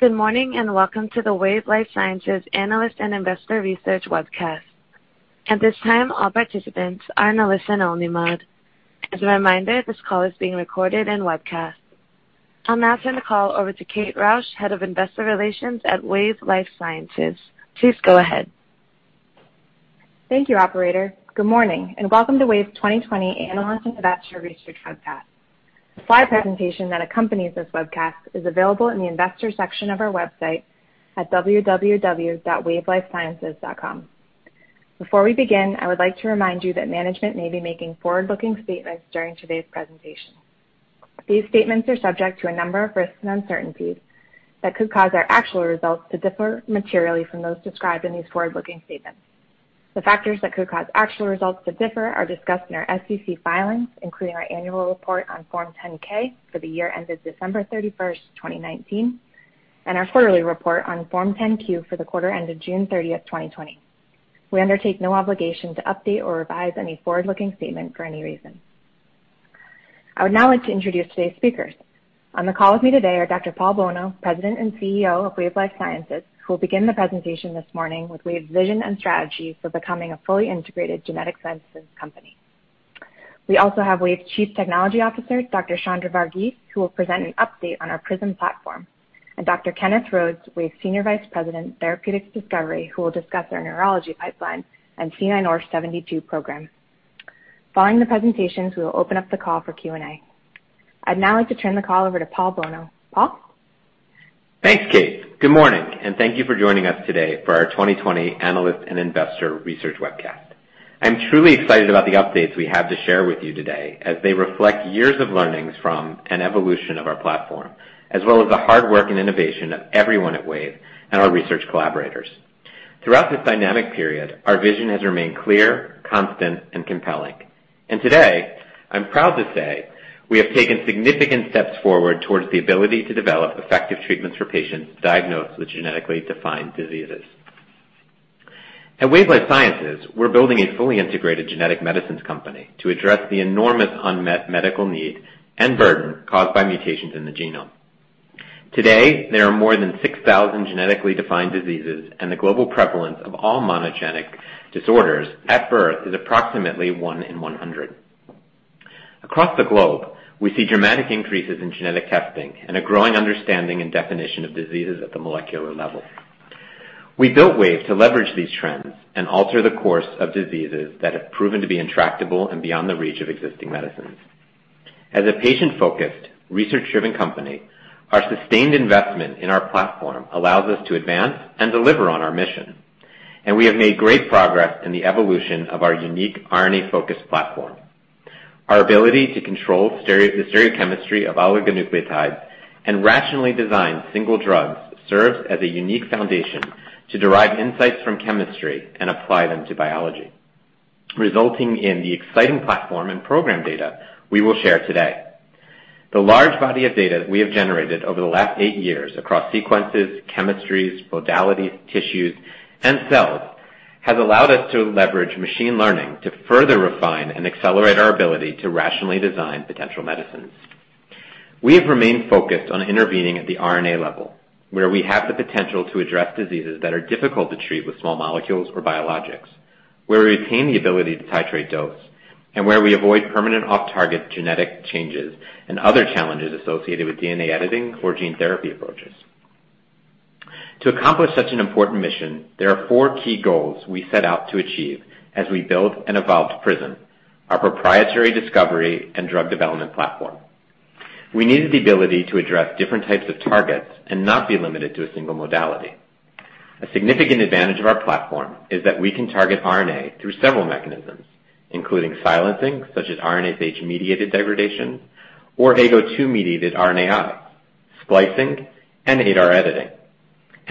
Good morning. Welcome to the Wave Life Sciences Analyst and Investor Research Webcast. At this time, all participants are in a listen-only mode. As a reminder, this call is being recorded and webcast. I'll now turn the call over to Kate Rausch, Head of Investor Relations at Wave Life Sciences. Please go ahead. Thank you, operator. Good morning. Welcome to Wave's 2020 Analyst and Investor Research Webcast. The slide presentation that accompanies this webcast is available in the Investors section of our website at www.wavelifesciences.com. Before we begin, I would like to remind you that management may be making forward-looking statements during today's presentation. These statements are subject to a number of risks and uncertainties that could cause our actual results to differ materially from those described in these forward-looking statements. The factors that could cause actual results to differ are discussed in our SEC filings, including our annual report on Form 10-K for the year ended December 31st, 2019, and our quarterly report on Form 10-Q for the quarter ended June 30th, 2020. We undertake no obligation to update or revise any forward-looking statement for any reason. I would now like to introduce today's speakers. On the call with me today are Dr. Paul Bolno, President and CEO of Wave Life Sciences, who will begin the presentation this morning with Wave's vision and strategy for becoming a fully integrated genetic sciences company. We also have Wave's Chief Technology Officer, Dr. Chandra Vargeese, who will present an update on our PRISM platform, and Dr. Kenneth Rhodes, Wave's Senior Vice President, Therapeutics Discovery, who will discuss our neurology pipeline and C9orf72 program. Following the presentations, we will open up the call for Q&A. I'd now like to turn the call over to Paul Bolno. Paul? Thanks, Kate. Good morning, thank you for joining us today for our 2020 Analyst and Investor Research Webcast. I'm truly excited about the updates we have to share with you today, as they reflect years of learnings from an evolution of our platform, as well as the hard work and innovation of everyone at Wave and our research collaborators. Throughout this dynamic period, our vision has remained clear, constant, and compelling. Today, I'm proud to say, we have taken significant steps forward towards the ability to develop effective treatments for patients diagnosed with genetically defined diseases. At Wave Life Sciences, we're building a fully integrated genetic medicines company to address the enormous unmet medical need and burden caused by mutations in the genome. Today, there are more than 6,000 genetically defined diseases, the global prevalence of all monogenic disorders at birth is approximately one in 100. Across the globe, we see dramatic increases in genetic testing and a growing understanding and definition of diseases at the molecular level. We built Wave to leverage these trends and alter the course of diseases that have proven to be intractable and beyond the reach of existing medicines. As a patient-focused, research-driven company, our sustained investment in our platform allows us to advance and deliver on our mission, and we have made great progress in the evolution of our unique RNA-focused platform. Our ability to control the stereochemistry of oligonucleotides and rationally design single drugs serves as a unique foundation to derive insights from chemistry and apply them to biology, resulting in the exciting platform and program data we will share today. The large body of data we have generated over the last eight years across sequences, chemistries, modalities, tissues, and cells has allowed us to leverage machine learning to further refine and accelerate our ability to rationally design potential medicines. We have remained focused on intervening at the RNA level, where we have the potential to address diseases that are difficult to treat with small molecules or biologics, where we retain the ability to titrate dose, and where we avoid permanent off-target genetic changes and other challenges associated with DNA editing or gene therapy approaches. To accomplish such an important mission, there are four key goals we set out to achieve as we build an evolved PRISM, our proprietary discovery and drug development platform. We needed the ability to address different types of targets and not be limited to a single modality. A significant advantage of our platform is that we can target RNA through several mechanisms, including silencing, such as RNase H-mediated degradation or AGO2-mediated RNAi, splicing, and ADAR editing.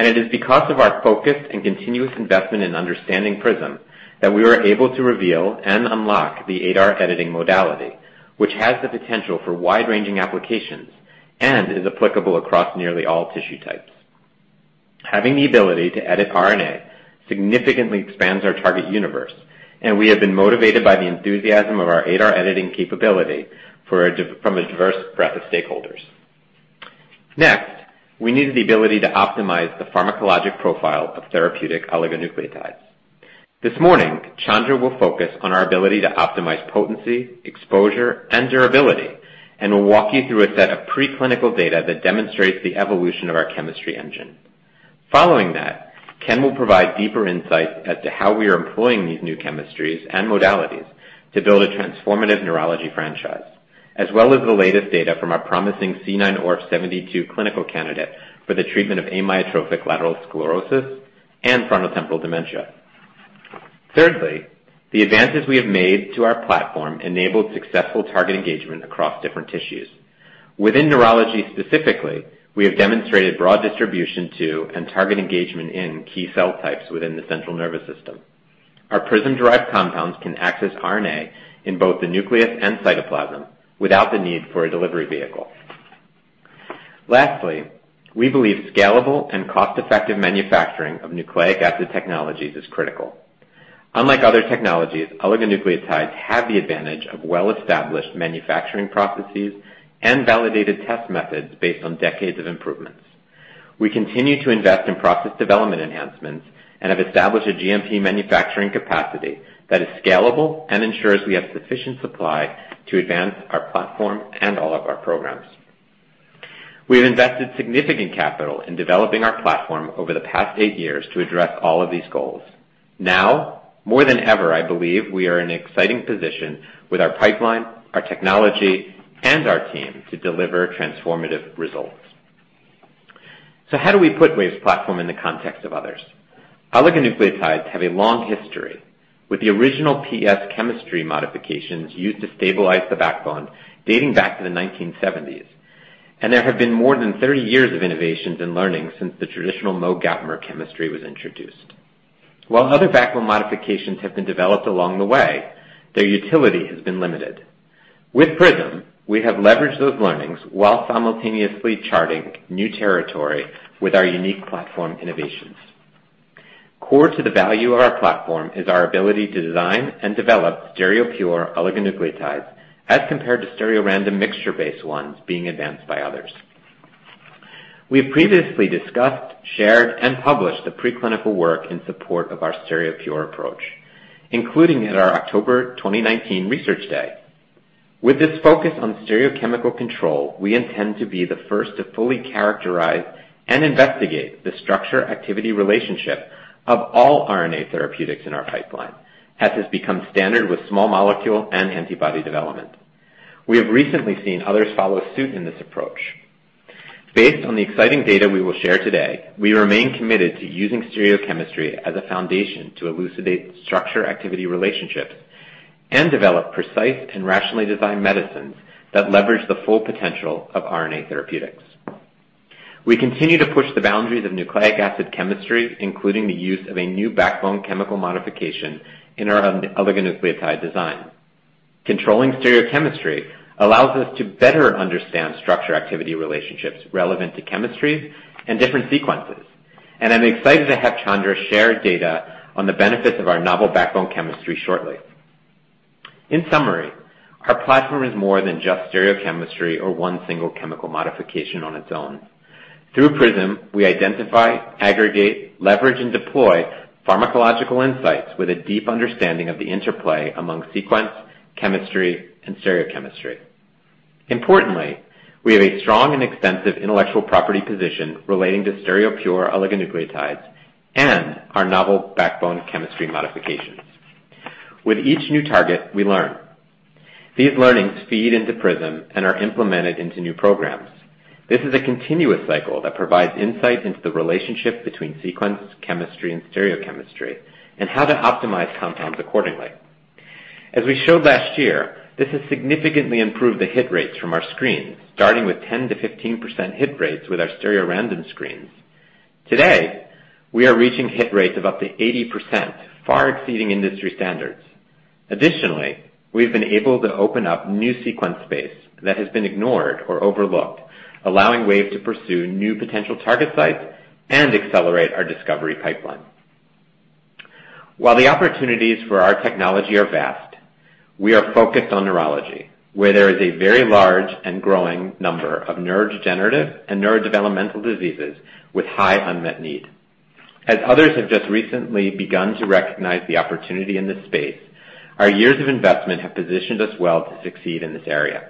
It is because of our focus and continuous investment in understanding PRISM that we were able to reveal and unlock the ADAR editing modality, which has the potential for wide-ranging applications and is applicable across nearly all tissue types. Having the ability to edit RNA significantly expands our target universe, and we have been motivated by the enthusiasm of our ADAR editing capability from a diverse breadth of stakeholders. Next, we needed the ability to optimize the pharmacologic profile of therapeutic oligonucleotides. This morning, Chandra will focus on our ability to optimize potency, exposure, and durability, and will walk you through a set of preclinical data that demonstrates the evolution of our chemistry engine. Following that, Ken will provide deeper insights as to how we are employing these new chemistries and modalities to build a transformative neurology franchise, as well as the latest data from our promising C9orf72 clinical candidate for the treatment of amyotrophic lateral sclerosis and frontotemporal dementia. Thirdly, the advances we have made to our platform enabled successful target engagement across different tissues. Within neurology specifically, we have demonstrated broad distribution to and target engagement in key cell types within the central nervous system. Our PRISM-derived compounds can access RNA in both the nucleus and cytoplasm without the need for a delivery vehicle. Lastly, we believe scalable and cost-effective manufacturing of nucleic acid technologies is critical. Unlike other technologies, oligonucleotides have the advantage of well-established manufacturing processes and validated test methods based on decades of improvements. We continue to invest in process development enhancements and have established a GMP manufacturing capacity that is scalable and ensures we have sufficient supply to advance our platform and all of our programs. We have invested significant capital in developing our platform over the past eight years to address all of these goals. Now more than ever, I believe we are in an exciting position with our pipeline, our technology, and our team to deliver transformative results. How do we put Wave's platform in the context of others? Oligonucleotides have a long history with the original PS chemistry modifications used to stabilize the backbone dating back to the 1970s, and there have been more than 30 years of innovations and learnings since the traditional MOE gapmer chemistry was introduced. While other backbone modifications have been developed along the way, their utility has been limited. With PRISM, we have leveraged those learnings while simultaneously charting new territory with our unique platform innovations. Core to the value of our platform is our ability to design and develop stereopure oligonucleotides as compared to stereorandom mixture-based ones being advanced by others. We have previously discussed, shared, and published the preclinical work in support of our stereopure approach, including at our October 2019 research day. With this focus on stereochemical control, we intend to be the first to fully characterize and investigate the structure-activity relationship of all RNA therapeutics in our pipeline, as has become standard with small molecule and antibody development. We have recently seen others follow suit in this approach. Based on the exciting data we will share today, we remain committed to using stereochemistry as a foundation to elucidate structure-activity relationships and develop precise and rationally designed medicines that leverage the full potential of RNA therapeutics. We continue to push the boundaries of nucleic acid chemistry, including the use of a new backbone chemical modification in our oligonucleotide design. Controlling stereochemistry allows us to better understand structure-activity relationships relevant to chemistries and different sequences, and I'm excited to have Chandra share data on the benefits of our novel backbone chemistry shortly. In summary, our platform is more than just stereochemistry or one single chemical modification on its own. Through PRISM, we identify, aggregate, leverage, and deploy pharmacological insights with a deep understanding of the interplay among sequence, chemistry, and stereochemistry. Importantly, we have a strong and extensive intellectual property position relating to stereopure oligonucleotides and our novel backbone chemistry modifications. With each new target we learn. These learnings feed into PRISM and are implemented into new programs. This is a continuous cycle that provides insight into the relationship between sequence, chemistry, and stereochemistry, and how to optimize compounds accordingly. As we showed last year, this has significantly improved the hit rates from our screens, starting with 10%-15% hit rates with our stereorandom screens. Today, we are reaching hit rates of up to 80%, far exceeding industry standards. Additionally, we've been able to open up new sequence space that has been ignored or overlooked, allowing Wave to pursue new potential target sites and accelerate our discovery pipeline. While the opportunities for our technology are vast, we are focused on neurology, where there is a very large and growing number of neurodegenerative and neurodevelopmental diseases with high unmet need. As others have just recently begun to recognize the opportunity in this space, our years of investment have positioned us well to succeed in this area.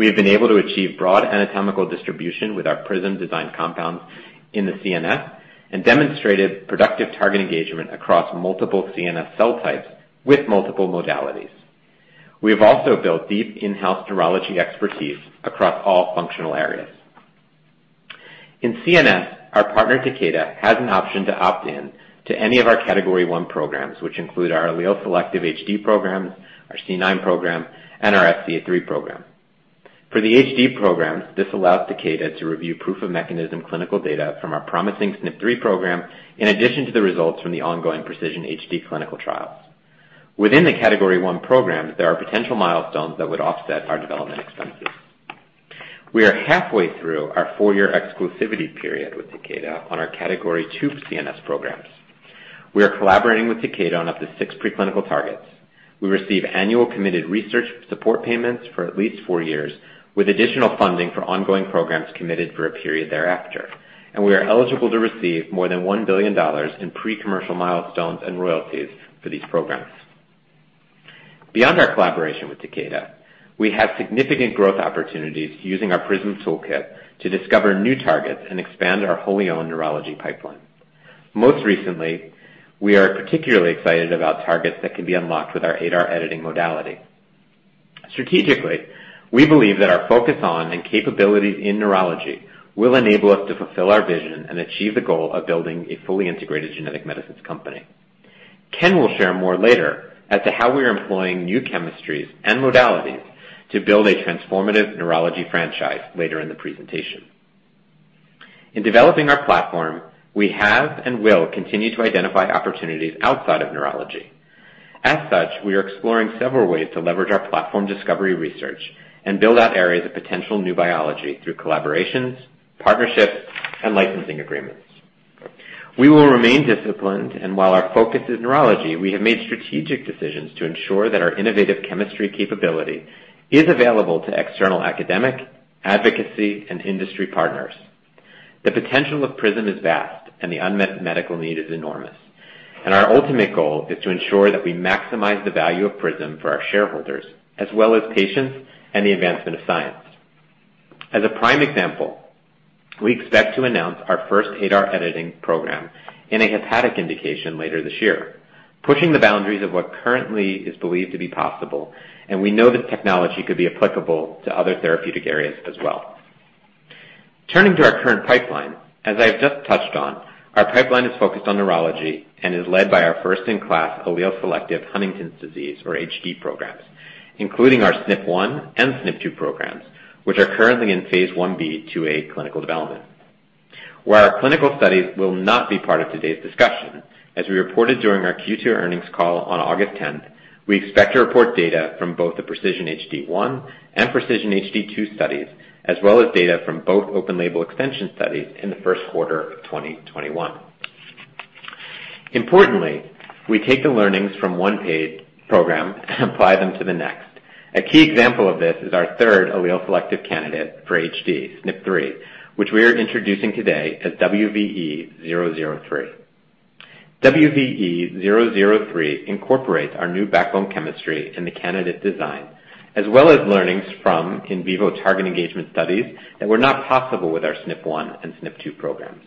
We have been able to achieve broad anatomical distribution with our PRISM-designed compounds in the CNS and demonstrated productive target engagement across multiple CNS cell types with multiple modalities. We have also built deep in-house neurology expertise across all functional areas. In CNS, our partner, Takeda, has an option to opt in to any of our Category 1 programs, which include our allele selective HD programs, our C9 program, and our SCA3 program. For the HD programs, this allows Takeda to review proof of mechanism clinical data from our promising SNP3 program, in addition to the results from the ongoing PRECISION-HD clinical trials. Within the Category 1 programs, there are potential milestones that would offset our development expenses. We are halfway through our four-year exclusivity period with Takeda on our Category 2 CNS programs. We are collaborating with Takeda on up to six preclinical targets. We receive annual committed research support payments for at least four years, with additional funding for ongoing programs committed for a period thereafter. We are eligible to receive more than $1 billion in pre-commercial milestones and royalties for these programs. Beyond our collaboration with Takeda, we have significant growth opportunities using our PRISM toolkit to discover new targets and expand our wholly-owned neurology pipeline. Most recently, we are particularly excited about targets that can be unlocked with our ADAR editing modality. Strategically, we believe that our focus on and capabilities in neurology will enable us to fulfill our vision and achieve the goal of building a fully integrated genetic medicines company. Ken will share more later as to how we are employing new chemistries and modalities to build a transformative neurology franchise later in the presentation. In developing our platform, we have and will continue to identify opportunities outside of neurology. As such, we are exploring several ways to leverage our platform discovery research and build out areas of potential new biology through collaborations, partnerships, and licensing agreements. While our focus is neurology, we have made strategic decisions to ensure that our innovative chemistry capability is available to external academic, advocacy, and industry partners. The potential of PRISM is vast and the unmet medical need is enormous. Our ultimate goal is to ensure that we maximize the value of PRISM for our shareholders as well as patients and the advancement of science. As a prime example, we expect to announce our first ADAR editing program in a hepatic indication later this year, pushing the boundaries of what currently is believed to be possible, and we know this technology could be applicable to other therapeutic areas as well. Turning to our current pipeline, as I have just touched on, our pipeline is focused on neurology and is led by our first-in-class allele selective Huntington's disease, or HD programs, including our SNP1 and SNP2 programs, which are currently in phase Ib/IIa clinical development, where our clinical studies will not be part of today's discussion. As we reported during our Q2 earnings call on August 10th, we expect to report data from both the PRECISION-HD1 and PRECISION-HD2 studies, as well as data from both open label extension studies in the first quarter of 2021. Importantly, we take the learnings from one paid program and apply them to the next. A key example of this is our third allele selective candidate for HD, SNP3, which we are introducing today as WVE-003. WVE-003 incorporates our new backbone chemistry in the candidate design, as well as learnings from in vivo target engagement studies that were not possible with our SNP1 and SNP2 programs.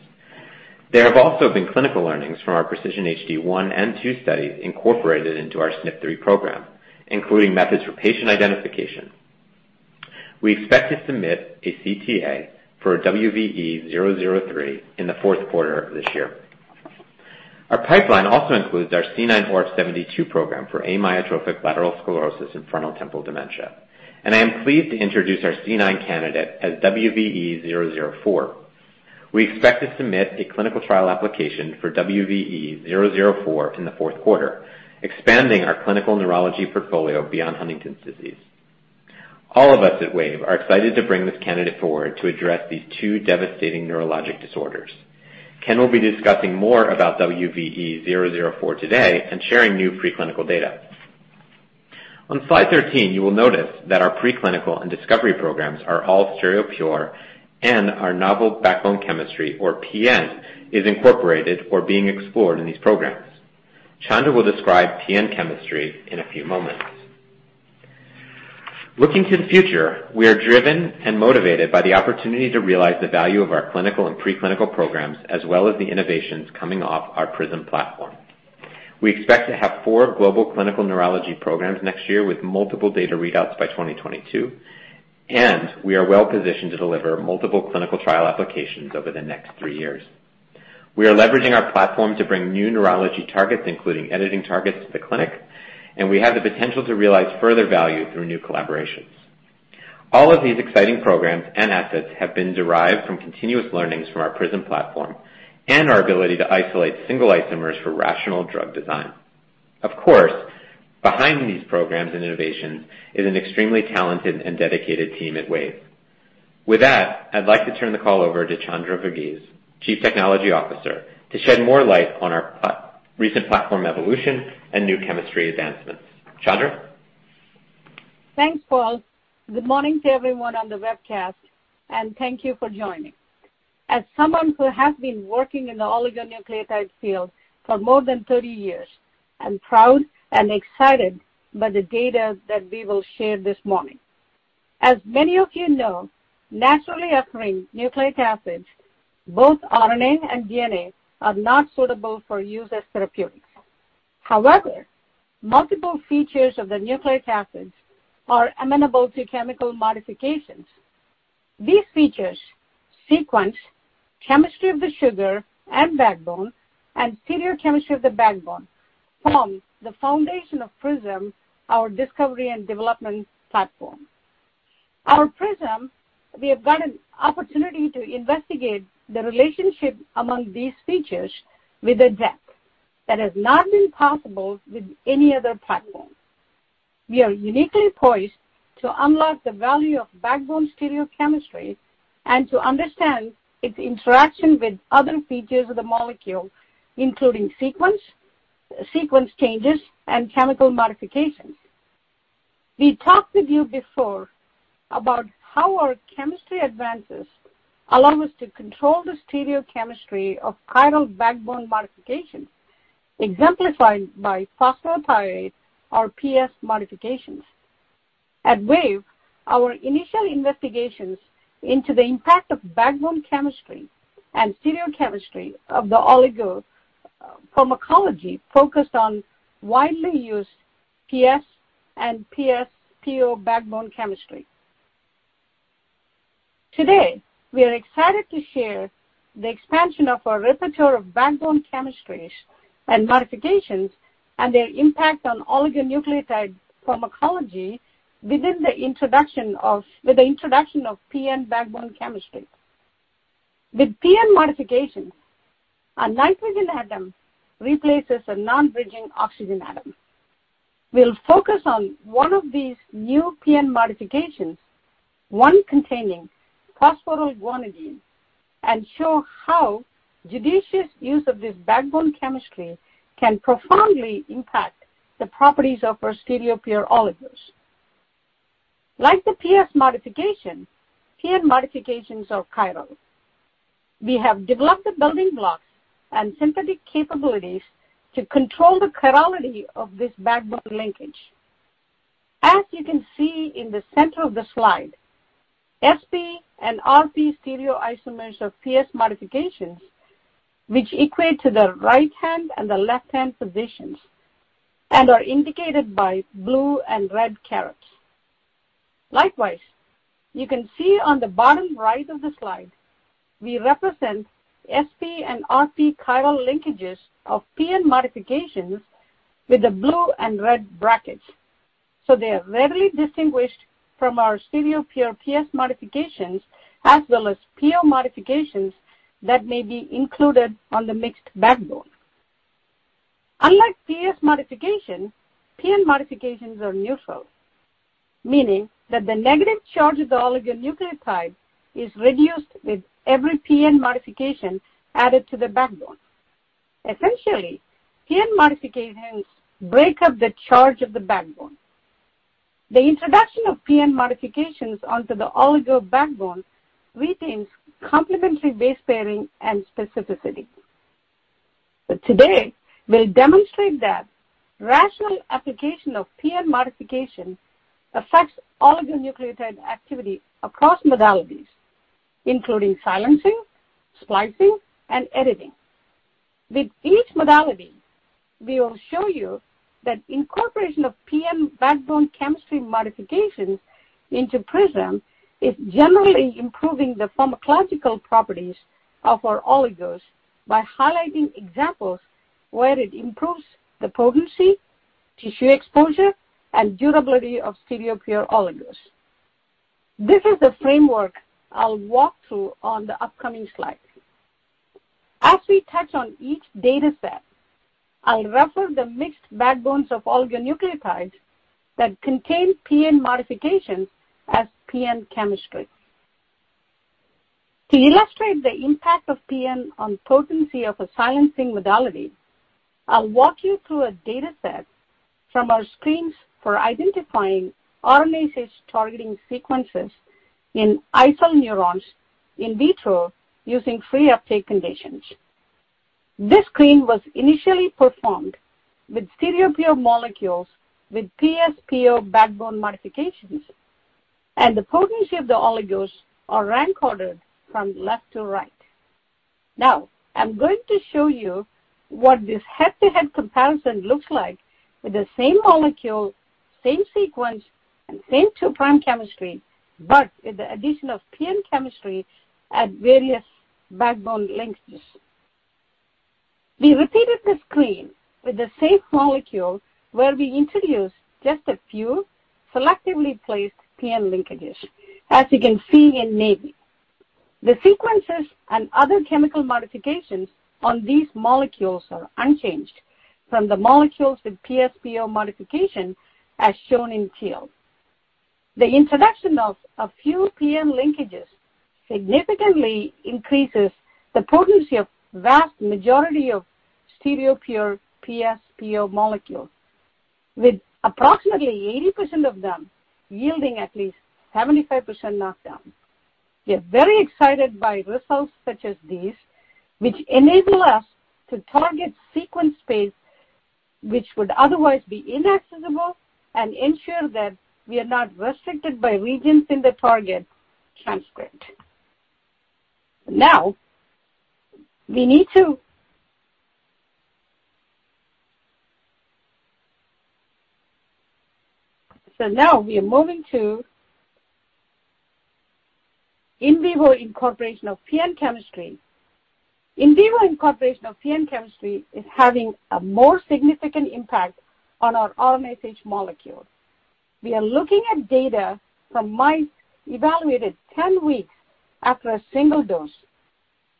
There have also been clinical learnings from our PRECISION-HD1 and PRECISION-HD2 studies incorporated into our SNP3 program, including methods for patient identification. We expect to submit a CTA for WVE-003 in the fourth quarter of this year. Our pipeline also includes our C9orf72 program for amyotrophic lateral sclerosis and frontotemporal dementia, and I am pleased to introduce our C9 candidate as WVE-004. We expect to submit a clinical trial application for WVE-004 in the fourth quarter, expanding our clinical neurology portfolio beyond Huntington's disease. All of us at Wave are excited to bring this candidate forward to address these two devastating neurologic disorders. Ken will be discussing more about WVE-004 today and sharing new preclinical data. On slide 13, you will notice that our preclinical and discovery programs are all stereopure and our novel backbone chemistry, or PN, is incorporated or being explored in these programs. Chandra will describe PN chemistry in a few moments. Looking to the future, we are driven and motivated by the opportunity to realize the value of our clinical and preclinical programs, as well as the innovations coming off our PRISM platform. We expect to have four global clinical neurology programs next year with multiple data readouts by 2022, and we are well positioned to deliver multiple clinical trial applications over the next three years. We are leveraging our platform to bring new neurology targets, including editing targets, to the clinic, and we have the potential to realize further value through new collaborations. All of these exciting programs and assets have been derived from continuous learnings from our PRISM platform and our ability to isolate single isomers for rational drug design. Of course, behind these programs and innovations is an extremely talented and dedicated team at Wave. With that, I'd like to turn the call over to Chandra Vargeese, Chief Technology Officer, to shed more light on our recent platform evolution and new chemistry advancements. Chandra? Thanks, Paul. Good morning to everyone on the webcast, and thank you for joining. As someone who has been working in the oligonucleotide field for more than 30 years, I'm proud and excited by the data that we will share this morning. As many of you know, naturally occurring nucleic acids, both RNA and DNA, are not suitable for use as therapeutics. Multiple features of the nucleic acids are amenable to chemical modifications. These features sequence chemistry of the sugar and backbone and stereochemistry of the backbone form the foundation of PRISM, our discovery and development platform. Our PRISM, we have got an opportunity to investigate the relationship among these features with a depth that has not been possible with any other platform. We are uniquely poised to unlock the value of backbone stereochemistry and to understand its interaction with other features of the molecule, including sequence changes, and chemical modifications. We talked with you before about how our chemistry advances allow us to control the stereochemistry of chiral backbone modifications exemplified by phosphorothioate or PS modifications. At Wave, our initial investigations into the impact of backbone chemistry and stereochemistry of the oligo pharmacology focused on widely used PS and PSPO backbone chemistry. Today, we are excited to share the expansion of our repertoire of backbone chemistries and modifications and their impact on oligonucleotide pharmacology with the introduction of PN backbone chemistry. With PN modification, a nitrogen atom replaces a non-bridging oxygen atom. We'll focus on one of these new PN modifications, one containing phosphoryl guanidine, and show how judicious use of this backbone chemistry can profoundly impact the properties of our stereopure oligos. Like the PS modification, PN modifications are chiral. We have developed the building blocks and synthetic capabilities to control the chirality of this backbone linkage. As you can see in the center of the slide, Sp and Rp stereoisomers are PS modifications, which equate to the right-hand and the left-hand positions and are indicated by blue and red carets. You can see on the bottom right of the slide, we represent Sp and Rp chiral linkages of PN modifications with the blue and red brackets, so they are readily distinguished from our stereopure PS modifications, as well as PO modifications that may be included on the mixed backbone. Unlike PS modifications, PN modifications are neutral, meaning that the negative charge of the oligonucleotide is reduced with every PN modification added to the backbone. Essentially, PN modifications break up the charge of the backbone. The introduction of PN modifications onto the oligo backbone retains complementary base pairing and specificity. Today, we'll demonstrate that rational application of PN modification affects oligonucleotide activity across modalities, including silencing, splicing, and editing. With each modality, we will show you that incorporation of PN backbone chemistry modifications into PRISM is generally improving the pharmacological properties of our oligos by highlighting examples where it improves the potency, tissue exposure, and durability of stereopure oligos. This is the framework I'll walk through on the upcoming slide. As we touch on each data set, I'll refer to the mixed backbones of oligonucleotides that contain PN modifications as PN chemistry. To illustrate the impact of PN on potency of a silencing modality, I'll walk you through a data set from our screens for identifying RNAi targeting sequences in iCell Neurons in vitro using free uptake conditions. This screen was initially performed with stereopure molecules with PS PO backbone modifications. The potency of the oligos are rank ordered from left to right. I'm going to show you what this head-to-head comparison looks like with the same molecule, same sequence, and same 2' chemistry, with the addition of PN chemistry at various backbone lengths. We repeated the screen with the same molecule where we introduced just a few selectively placed PN linkages, as you can see in navy. The sequences and other chemical modifications on these molecules are unchanged from the molecules with PS PO modification, as shown in teal. The introduction of a few PN linkages significantly increases the potency of vast majority of stereopure PS PO molecules, with approximately 80% of them yielding at least 75% knockdown. We are very excited by results such as these, which enable us to target sequence space which would otherwise be inaccessible and ensure that we are not restricted by regions in the target transcript. Now we are moving to in vivo incorporation of PN chemistry. In vivo incorporation of PN chemistry is having a more significant impact on our RNase H molecule. We are looking at data from mice evaluated 10 weeks after a single dose.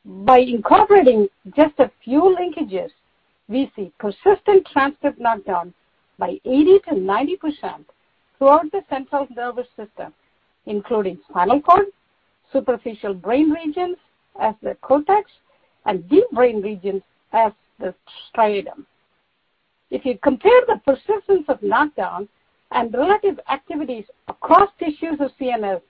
By incorporating just a few linkages, we see persistent transcript knockdown by 80%-90% throughout the central nervous system, including spinal cord, superficial brain regions as the cortex, and deep brain regions as the striatum. If you compare the persistence of knockdown and relative activities across tissues of CNS,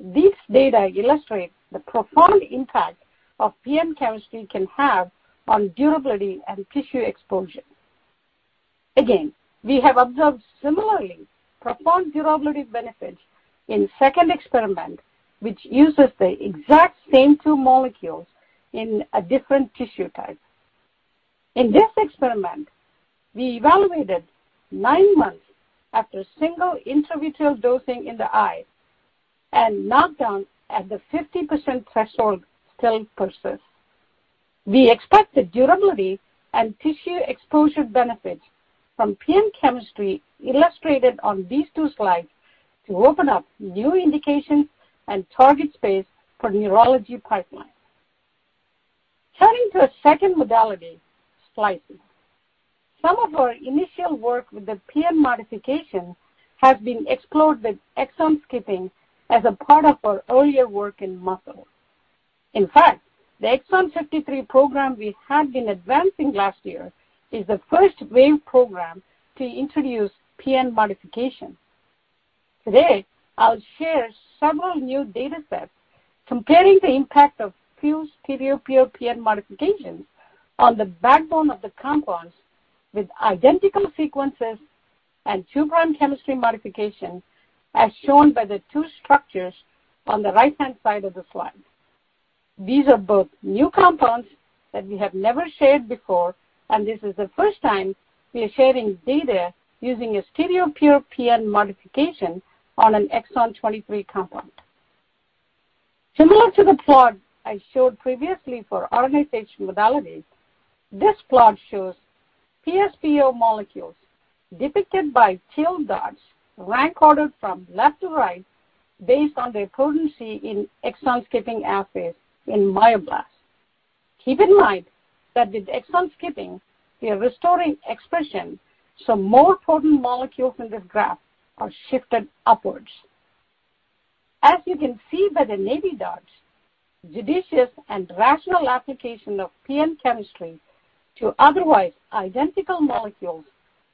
these data illustrate the profound impact of PN chemistry can have on durability and tissue exposure. We have observed similarly profound durability benefits in second experiment, which uses the exact same two molecules in a different tissue type. In this experiment, we evaluated nine months after single intravitreal dosing in the eye, and knockdown at the 50% threshold still persists. We expect the durability and tissue exposure benefits from PN chemistry illustrated on these two slides to open up new indications and target space for neurology pipeline. Turning to a second modality, splicing. Some of our initial work with the PN modification has been explored with exon skipping as a part of our earlier work in muscle. In fact, the Exon 53 program we had been advancing last year is the first Wave program to introduce PN modification. Today, I'll share several new data sets comparing the impact of few stereopure PN modifications on the backbone of the compounds with identical sequences and 2' chemistry modification, as shown by the two structures on the right-hand side of the slide. These are both new compounds that we have never shared before. This is the first time we are sharing data using a stereopure PN modification on an Exon 23 compound. Similar to the plot I showed previously for RNase H modalities, this plot shows PSPO molecules depicted by teal dots, rank ordered from left to right based on their potency in exon-skipping assays in myoblasts. Keep in mind that with exon-skipping, we are restoring expression, more potent molecules in this graph are shifted upwards. As you can see by the navy dots, judicious and rational application of PN chemistry to otherwise identical molecules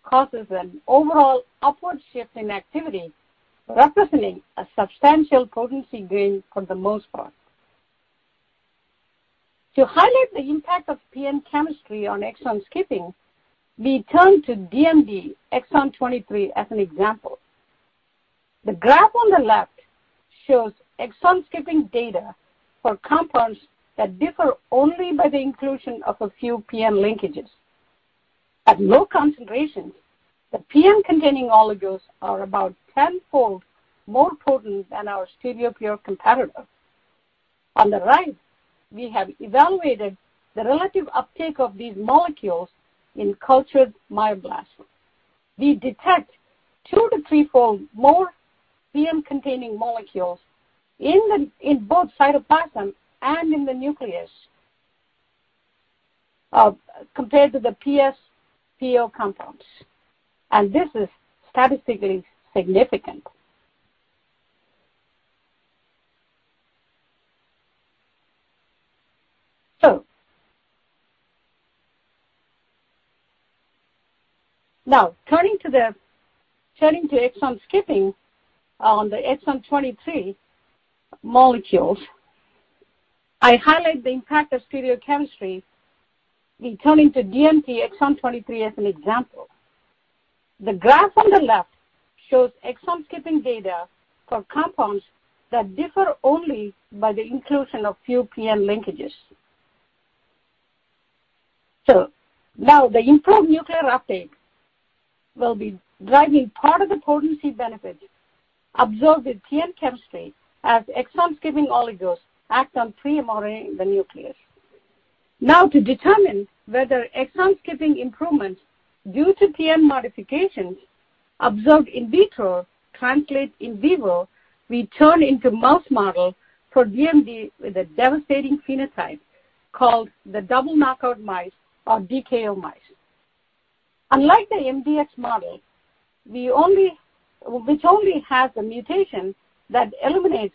causes an overall upward shift in activity, representing a substantial potency gain for the most part. To highlight the impact of PN chemistry on exon skipping, we turn to DMD Exon 23 as an example. The graph on the left shows exon-skipping data for compounds that differ only by the inclusion of a few PN linkages. At low concentrations, the PN-containing oligos are about 10-fold more potent than our stereopure competitor. On the right, we have evaluated the relative uptake of these molecules in cultured myoblasts. We detect two-three fold more PN-containing molecules in both cytoplasm and in the nucleus, compared to the PSPO compounds, and this is statistically significant. Now, turning to Exon 23 molecules, I highlight the impact of stereochemistry in turning to DMD Exon 23 as an example. The graph on the left shows exon-skipping data for compounds that differ only by the inclusion of few PN linkages. Now the improved nuclear uptake will be driving part of the potency benefit observed with PN chemistry as exon-skipping oligos act on pre-mRNA in the nucleus. To determine whether exon-skipping improvements due to PN modifications observed in vitro translate in vivo, we turn into mouse models for DMD with a devastating phenotype called the double knockout mice, or DKO mice. Unlike the mdx model, which only has a mutation that eliminates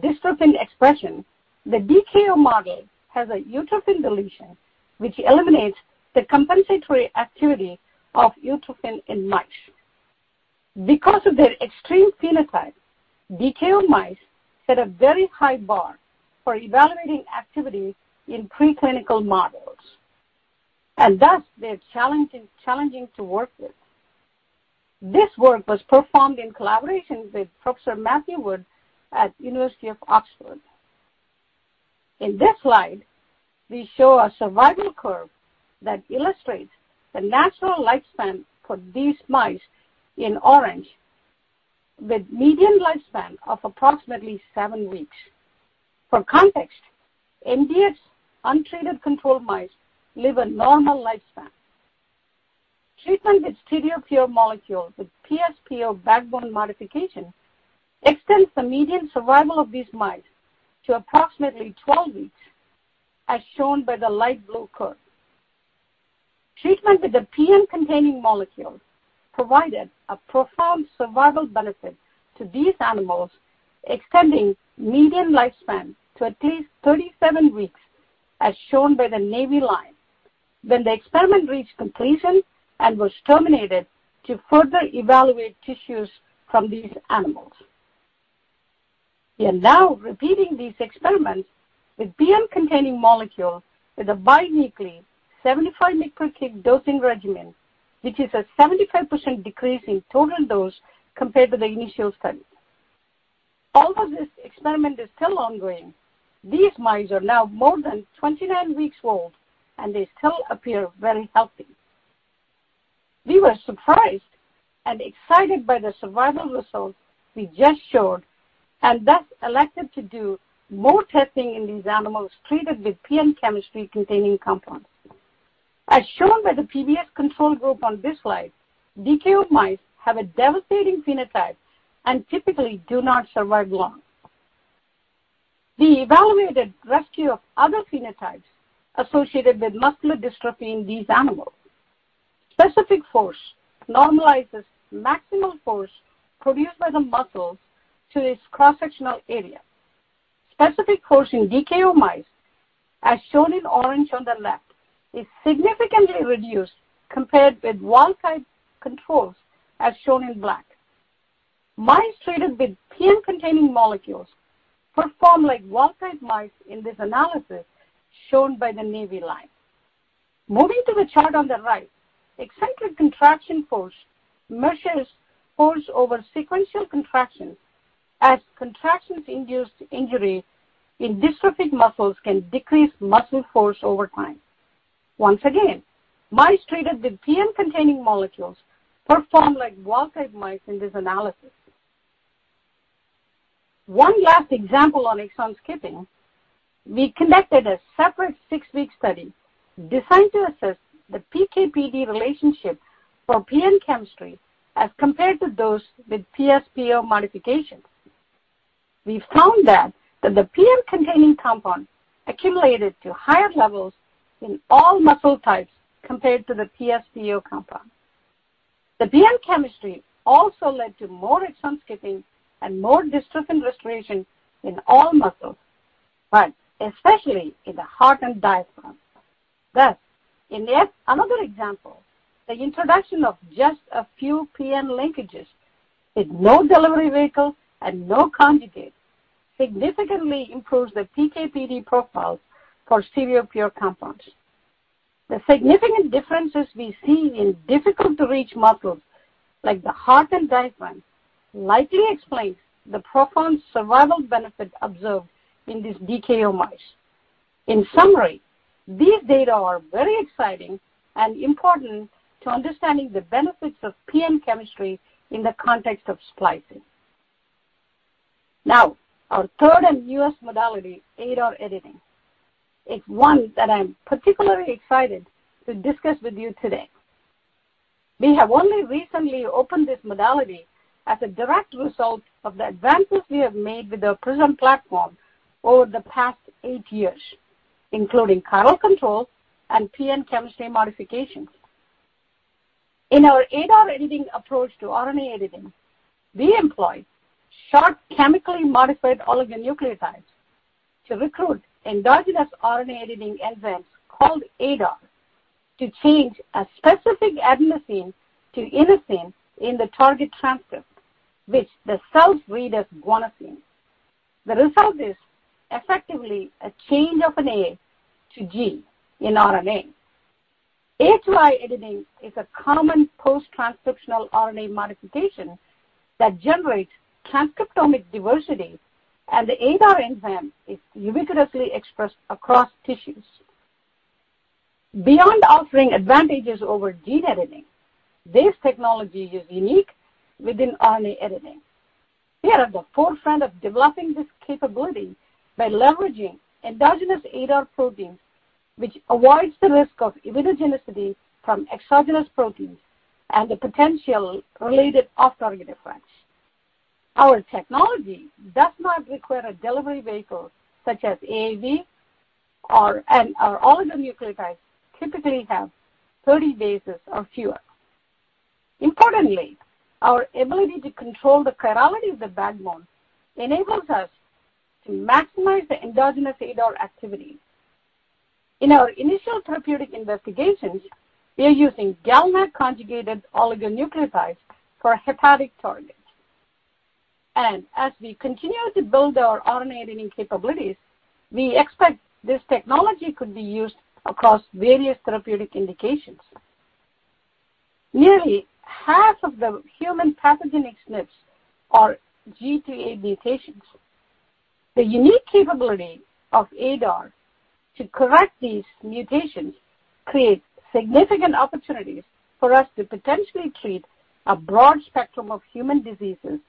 dystrophin expression, the DKO model has a utrophin deletion, which eliminates the compensatory activity of utrophin in mice. Because of their extreme phenotype, DKO mice set a very high bar for evaluating activity in preclinical models, and thus they're challenging to work with. This work was performed in collaboration with Professor Matthew Wood at University of Oxford. In this slide, we show a survival curve that illustrates the natural lifespan for these mice in orange, with median lifespan of approximately seven weeks. For context, mdx untreated control mice live a normal lifespan. Treatment with stereopure molecules with PSPO backbone modification extends the median survival of these mice to approximately 12 weeks, as shown by the light blue curve. Treatment with the PN-containing molecule provided a profound survival benefit to these animals, extending median lifespan to at least 37 weeks, as shown by the navy line, when the experiment reached completion and was terminated to further evaluate tissues from these animals. We are now repeating these experiments with PN-containing molecules with a biweekly 75 mg/kg dosing regimen, which is a 75% decrease in total dose compared to the initial study. Although this experiment is still ongoing, these mice are now more than 29 weeks old, and they still appear very healthy. We were surprised and excited by the survival results we just showed, and thus elected to do more testing in these animals treated with PN chemistry-containing compounds. As shown by the PBS control group on this slide, DKO mice have a devastating phenotype and typically do not survive long. We evaluated rescue of other phenotypes associated with muscular dystrophy in these animals. Specific force normalizes maximal force produced by the muscle to its cross-sectional area. Specific force in DKO mice, as shown in orange on the left, is significantly reduced compared with wild-type controls, as shown in black. Mice treated with PN-containing molecules perform like wild-type mice in this analysis, shown by the navy line. Moving to the chart on the right, eccentric contraction force measures force over sequential contractions, as contractions induced injury in dystrophic muscles can decrease muscle force over time. Once again, mice treated with PN-containing molecules performed like wild-type mice in this analysis. One last example on exon skipping, we conducted a separate six-week study designed to assess the PK/PD relationship for PN chemistry as compared to those with PS-PO modifications. We found that the PN-containing compound accumulated to higher levels in all muscle types compared to the PS-PO compound. The PN chemistry also led to more exon skipping and more dystrophin restoration in all muscles, but especially in the heart and diaphragm. Thus, in yet another example, the introduction of just a few PN linkages with no delivery vehicle and no conjugates significantly improves the PK/PD profiles for stereopure compounds. The significant differences we see in difficult-to-reach muscles like the heart and diaphragm likely explains the profound survival benefit observed in these DKO mice. In summary, these data are very exciting and important to understanding the benefits of PN chemistry in the context of splicing. Now, our third and newest modality, ADAR editing, is one that I'm particularly excited to discuss with you today. We have only recently opened this modality as a direct result of the advances we have made with our PRISM platform over the past eight years, including chiral control and PN chemistry modifications. In our ADAR editing approach to RNA editing, we employ short, chemically modified oligonucleotides to recruit endogenous RNA editing enzymes called ADAR to change a specific adenosine to inosine in the target transcript, which the cells read as guanosine. The result is effectively a change of an A to G in RNA. ADAR editing is a common post-transcriptional RNA modification that generates transcriptomic diversity, and the ADAR enzyme is ubiquitously expressed across tissues. Beyond offering advantages over gene editing, this technology is unique within RNA editing. We are at the forefront of developing this capability by leveraging endogenous ADAR proteins, which avoids the risk of immunogenicity from exogenous proteins and the potential related off-target effects. Our technology does not require a delivery vehicle such as AAV, and our oligonucleotides typically have 30 bases or fewer. Importantly, our ability to control the chirality of the backbone enables us to maximize the endogenous ADAR activity. In our initial therapeutic investigations, we are using GalNAc conjugated oligonucleotides for hepatic targets. As we continue to build our RNA editing capabilities, we expect this technology could be used across various therapeutic indications. Nearly half of the human pathogenic SNPs are G to A mutations. The unique capability of ADAR to correct these mutations creates significant opportunities for us to potentially treat a broad spectrum of human diseases,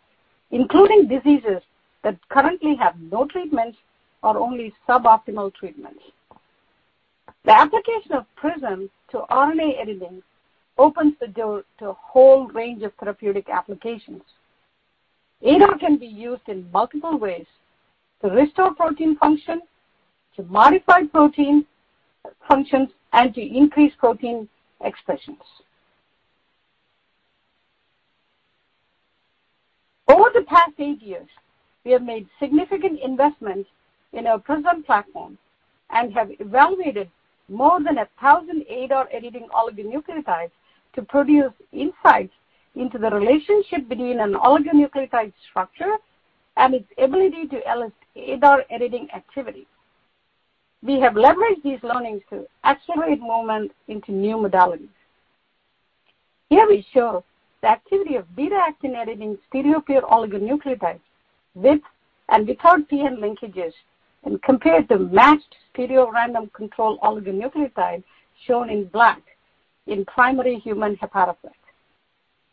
including diseases that currently have no treatments or only suboptimal treatments. The application of PRISM to RNA editing opens the door to a whole range of therapeutic applications. ADAR can be used in multiple ways to restore protein function, to modify protein functions, and to increase protein expressions. Over the past eight years, we have made significant investments in our PRISM platform and have evaluated more than 1,000 ADAR editing oligonucleotides to produce insights into the relationship between an oligonucleotide structure and its ability to elicit ADAR editing activity. We have leveraged these learnings to accelerate movement into new modalities. Here we show the activity of beta-actin editing stereopure oligonucleotides with and without PN linkages and compared to matched stereorandom control oligonucleotides shown in black in primary human hepatocytes.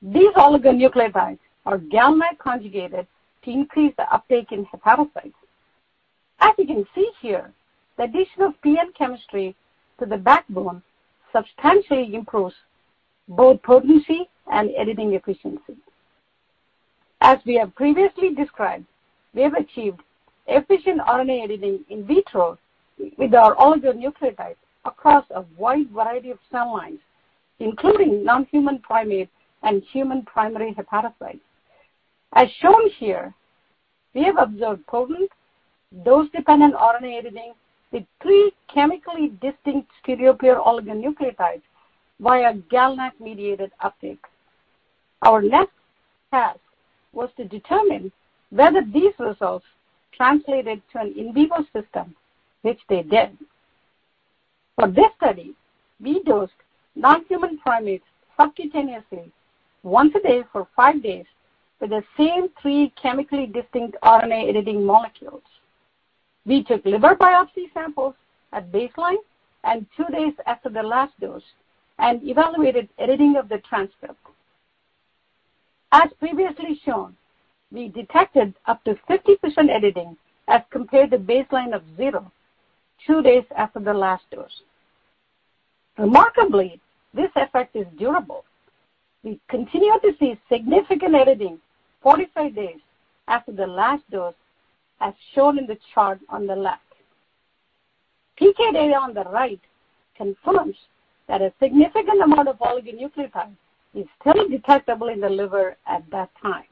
These oligonucleotides are GalNAc conjugated to increase the uptake in hepatocytes. As you can see here, the addition of PN chemistry to the backbone substantially improves both potency and editing efficiency. As we have previously described, we have achieved efficient RNA editing in vitro with our oligonucleotides across a wide variety of cell lines, including non-human primate and human primary hepatocytes. As shown here, we have observed potent dose-dependent RNA editing with three chemically distinct stereopure oligonucleotides via GalNAc-mediated uptake. Our next task was to determine whether these results translated to an in vivo system, which they did. For this study, we dosed non-human primates subcutaneously once a day for five days with the same three chemically distinct RNA editing molecules. We took liver biopsy samples at baseline and two days after the last dose and evaluated editing of the transcript. As previously shown, we detected up to 50% editing as compared to baseline of zero two days after the last dose. Remarkably, this effect is durable. We continue to see significant editing 45 days after the last dose, as shown in the chart on the left. PK data on the right confirms that a significant amount of oligonucleotide is still detectable in the liver at that time.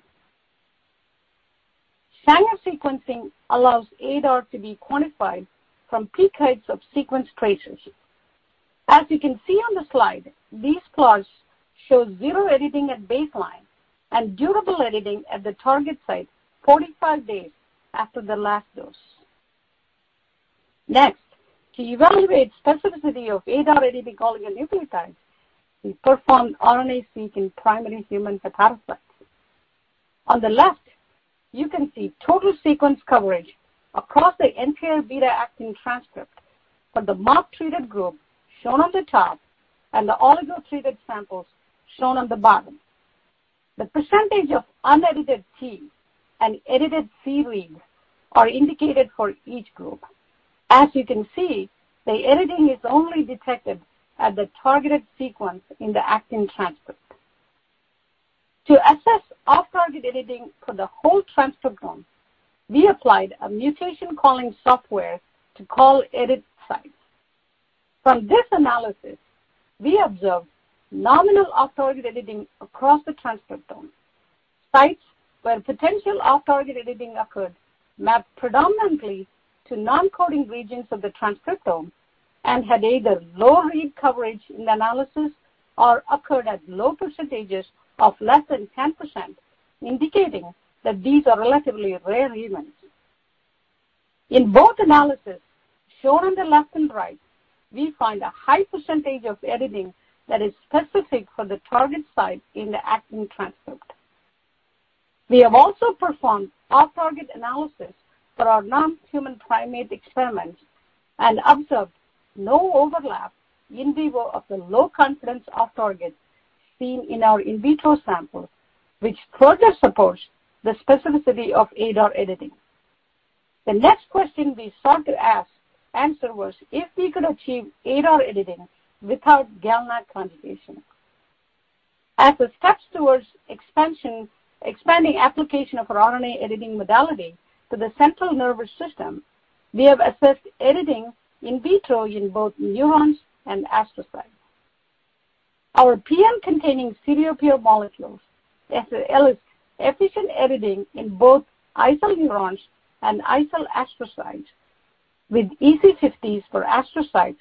Sanger sequencing allows ADAR to be quantified from peak heights of sequence traces. As you can see on the slide, these plots show zero editing at baseline and durable editing at the target site 45 days after the last dose. Next, to evaluate specificity of ADAR editing oligonucleotides, we performed RNA-seq in primary human hepatocytes. On the left, you can see total sequence coverage across the NHP beta-actin transcript for the mock-treated group shown on the top and the oligo-treated samples shown on the bottom. The percentage of unedited T and edited C reads are indicated for each group. As you can see, the editing is only detected at the targeted sequence in the actin transcript. To assess off-target editing for the whole transcriptome, we applied a mutation-calling software to call edit sites. From this analysis, we observed nominal off-target editing across the transcriptome. Sites where potential off-target editing occurred mapped predominantly to non-coding regions of the transcriptome and had either low read coverage in the analysis or occurred at low percentages of less than 10%, indicating that these are relatively rare events. In both analyses shown on the left and right, we find a high percentage of editing that is specific for the target site in the actin transcript. We have also performed off-target analysis for our non-human primate experiments and observed no overlap in vivo of the low confidence off targets seen in our in vitro samples, which further supports the specificity of ADAR editing. The next question we sought to answer was if we could achieve ADAR editing without GalNAc conjugation. As a step towards expanding application of our RNA editing modality to the central nervous system, we have assessed editing in vitro in both neurons and astrocytes. Our PN-containing stereopure molecules elicit efficient editing in both iCell neurons and iCell astrocytes, with EC50s for astrocytes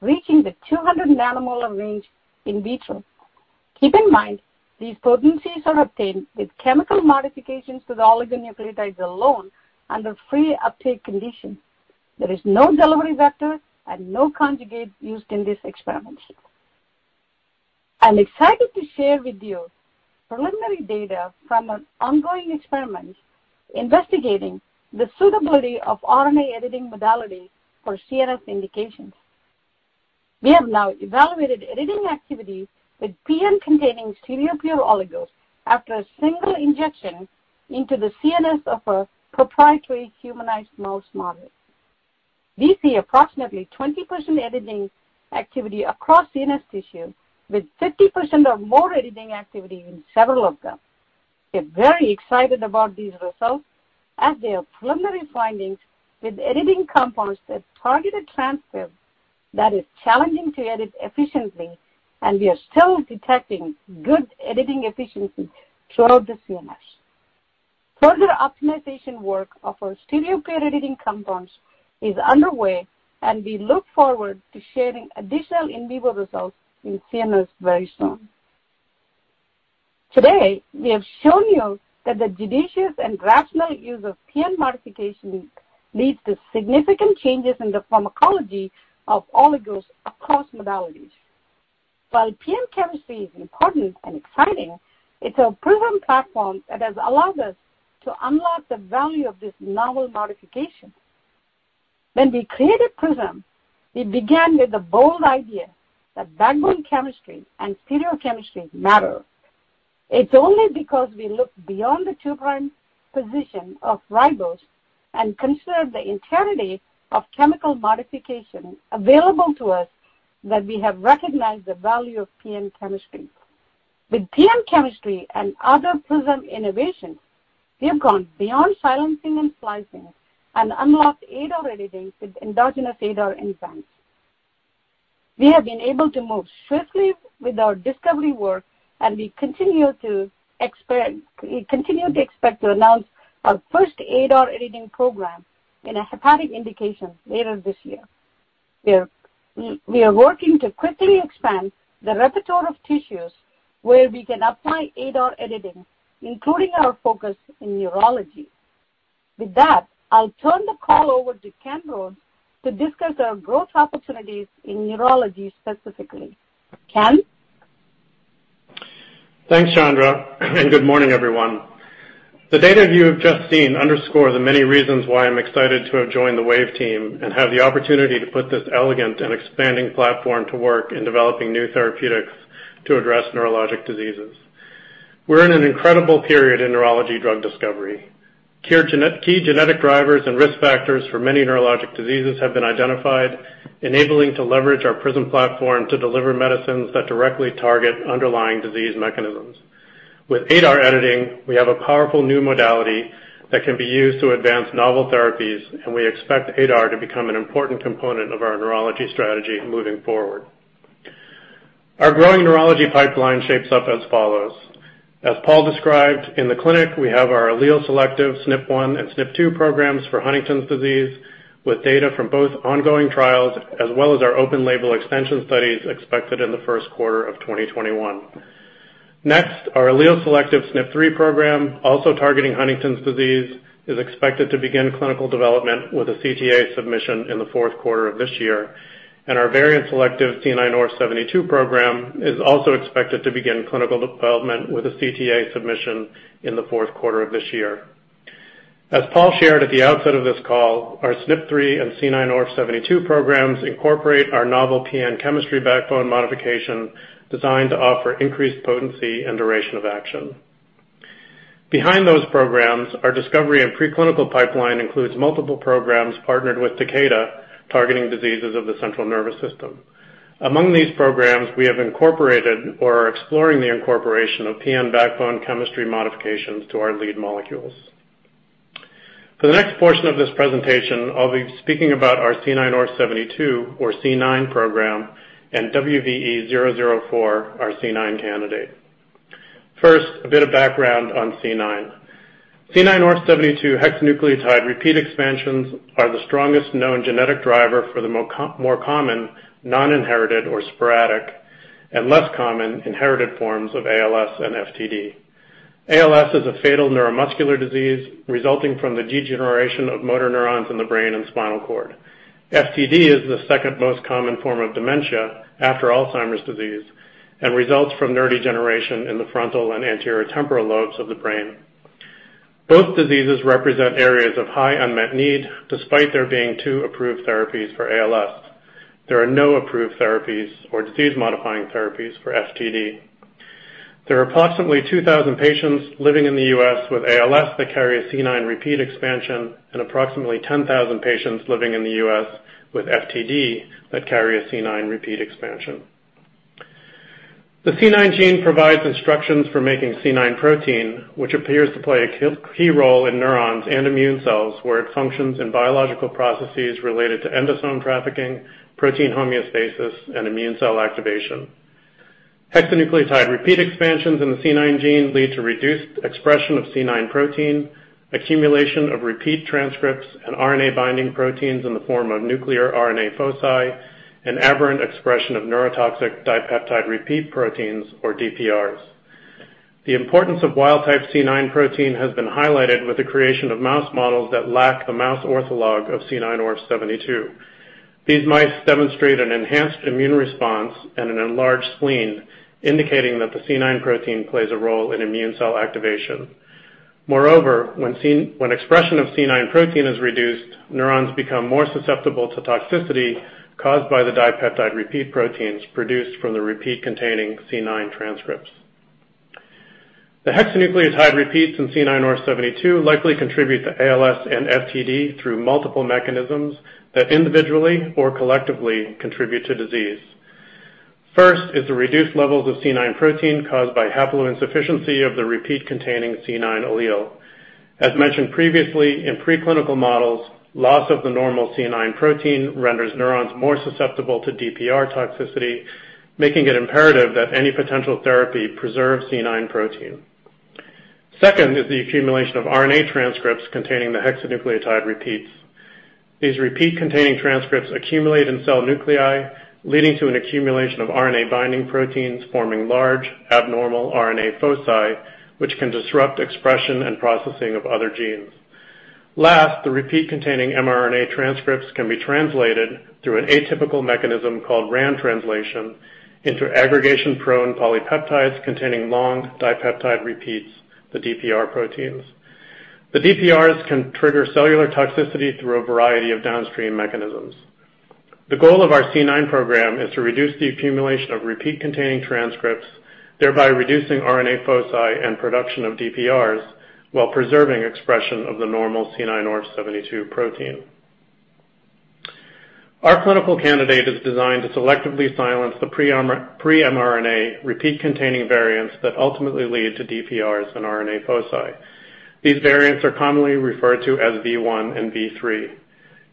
reaching the 200 nanomolar range in vitro. Keep in mind, these potencies are obtained with chemical modifications to the oligonucleotides alone under free uptake conditions. There is no delivery vector and no conjugates used in these experiments. I'm excited to share with you preliminary data from an ongoing experiment investigating the suitability of RNA editing modality for CNS indications. We have now evaluated editing activity with PN-containing stereopure oligos after a single injection into the CNS of a proprietary humanized mouse model. We see approximately 20% editing activity across CNS tissue, with 50% or more editing activity in several of them. We're very excited about these results, as they are preliminary findings with editing compounds that target a transcript that is challenging to edit efficiently, and we are still detecting good editing efficiency throughout the CNS. Further optimization work of our stereopure editing compounds is underway, and we look forward to sharing additional in vivo results in CNS very soon. Today, we have shown you that the judicious and rational use of PN modification leads to significant changes in the pharmacology of oligos across modalities. While PN chemistry is important and exciting, it's our PRISM platform that has allowed us to unlock the value of this novel modification. When we created PRISM, we began with the bold idea that backbone chemistry and stereochemistry matter. It's only because we looked beyond the 2' position of ribose and considered the entirety of chemical modification available to us that we have recognized the value of PN chemistry. With PN chemistry and other PRISM innovations, we have gone beyond silencing and splicing and unlocked ADAR editing with endogenous ADAR enzymes. We have been able to move swiftly with our discovery work, and we continue to expect to announce our first ADAR editing program in a hepatic indication later this year. We are working to quickly expand the repertoire of tissues where we can apply ADAR editing, including our focus in neurology. With that, I'll turn the call over to Ken Rhodes to discuss our growth opportunities in neurology specifically. Ken? Thanks, Chandra. Good morning, everyone. The data you have just seen underscore the many reasons why I'm excited to have joined the Wave team and have the opportunity to put this elegant and expanding platform to work in developing new therapeutics to address neurologic diseases. We're in an incredible period in neurology drug discovery. Key genetic drivers and risk factors for many neurologic diseases have been identified, enabling to leverage our PRISM platform to deliver medicines that directly target underlying disease mechanisms. With ADAR editing, we have a powerful new modality that can be used to advance novel therapies, and we expect ADAR to become an important component of our neurology strategy moving forward. Our growing neurology pipeline shapes up as follows. As Paul described, in the clinic, we have our allele selective SNP1 and SNP2 programs for Huntington's disease, with data from both ongoing trials as well as our open label extension studies expected in the first quarter of 2021. Next, our allele selective SNP3 program, also targeting Huntington's disease, is expected to begin clinical development with a CTA submission in the fourth quarter of this year. Our variant selective C9orf72 program is also expected to begin clinical development with a CTA submission in the fourth quarter of this year. As Paul shared at the outset of this call, our SNP3 and C9orf72 programs incorporate our novel PN chemistry backbone modification designed to offer increased potency and duration of action. Behind those programs, our discovery and preclinical pipeline includes multiple programs partnered with Takeda targeting diseases of the central nervous system. Among these programs, we have incorporated or are exploring the incorporation of PN backbone chemistry modifications to our lead molecules. For the next portion of this presentation, I'll be speaking about our C9orf72, or C9 program, and WVE-004, our C9 candidate. First, a bit of background on C9. C9orf72 hexanucleotide repeat expansions are the strongest known genetic driver for the more common non-inherited or sporadic and less common inherited forms of ALS and FTD. ALS is a fatal neuromuscular disease resulting from the degeneration of motor neurons in the brain and spinal cord. FTD is the second most common form of dementia after Alzheimer's disease and results from neurodegeneration in the frontal and anterior temporal lobes of the brain. Both diseases represent areas of high unmet need, despite there being two approved therapies for ALS. There are no approved therapies or disease-modifying therapies for FTD. There are approximately 2,000 patients living in the U.S. with ALS that carry a C9 repeat expansion and approximately 10,000 patients living in the U.S. with FTD that carry a C9 repeat expansion. The C9 gene provides instructions for making C9 protein, which appears to play a key role in neurons and immune cells, where it functions in biological processes related to endosome trafficking, protein homeostasis, and immune cell activation. Hexanucleotide repeat expansions in the C9 gene lead to reduced expression of C9 protein, accumulation of repeat transcripts and RNA-binding proteins in the form of nuclear RNA foci, and aberrant expression of neurotoxic dipeptide repeat proteins or DPRs. The importance of wild type C9 protein has been highlighted with the creation of mouse models that lack the mouse ortholog of C9orf72. These mice demonstrate an enhanced immune response and an enlarged spleen, indicating that the C9 protein plays a role in immune cell activation. Moreover, when expression of C9 protein is reduced, neurons become more susceptible to toxicity caused by the dipeptide repeat proteins produced from the repeat-containing C9 transcripts. The hexanucleotide repeats in C9orf72 likely contribute to ALS and FTD through multiple mechanisms that individually or collectively contribute to disease. First is the reduced levels of C9 protein caused by haploinsufficiency of the repeat-containing C9 allele. As mentioned previously, in preclinical models, loss of the normal C9 protein renders neurons more susceptible to DPR toxicity, making it imperative that any potential therapy preserves C9 protein. Second is the accumulation of RNA transcripts containing the hexanucleotide repeats. These repeat-containing transcripts accumulate in cell nuclei, leading to an accumulation of RNA-binding proteins forming large, abnormal RNA foci, which can disrupt expression and processing of other genes. Last, the repeat-containing mRNA transcripts can be translated through an atypical mechanism called RAN translation into aggregation-prone polypeptides containing long dipeptide repeats, the DPR proteins. The DPRs can trigger cellular toxicity through a variety of downstream mechanisms. The goal of our C9 program is to reduce the accumulation of repeat-containing transcripts, thereby reducing RNA foci and production of DPRs while preserving expression of the normal C9orf72 protein. Our clinical candidate is designed to selectively silence the pre-mRNA repeat-containing variants that ultimately lead to DPRs and RNA foci. These variants are commonly referred to as V1 and V3.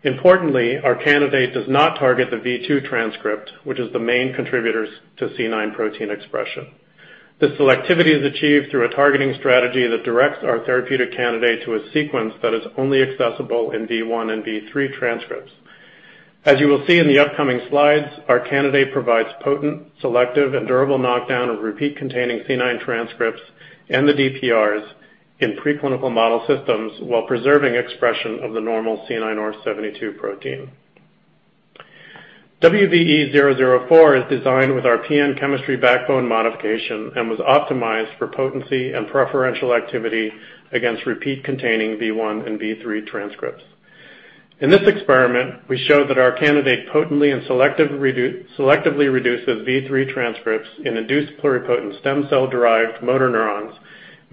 Importantly, our candidate does not target the V2 transcript, which is the main contributor to C9 protein expression. This selectivity is achieved through a targeting strategy that directs our therapeutic candidate to a sequence that is only accessible in V1 and V3 transcripts. As you will see in the upcoming slides, our candidate provides potent, selective, and durable knockdown of repeat-containing C9 transcripts and the DPRs in preclinical model systems while preserving expression of the normal C9orf72 protein. WVE-004 is designed with our PN chemistry backbone modification and was optimized for potency and preferential activity against repeat-containing V1 and V3 transcripts. In this experiment, we show that our candidate potently and selectively reduces V3 transcripts in induced pluripotent stem cell-derived motor neurons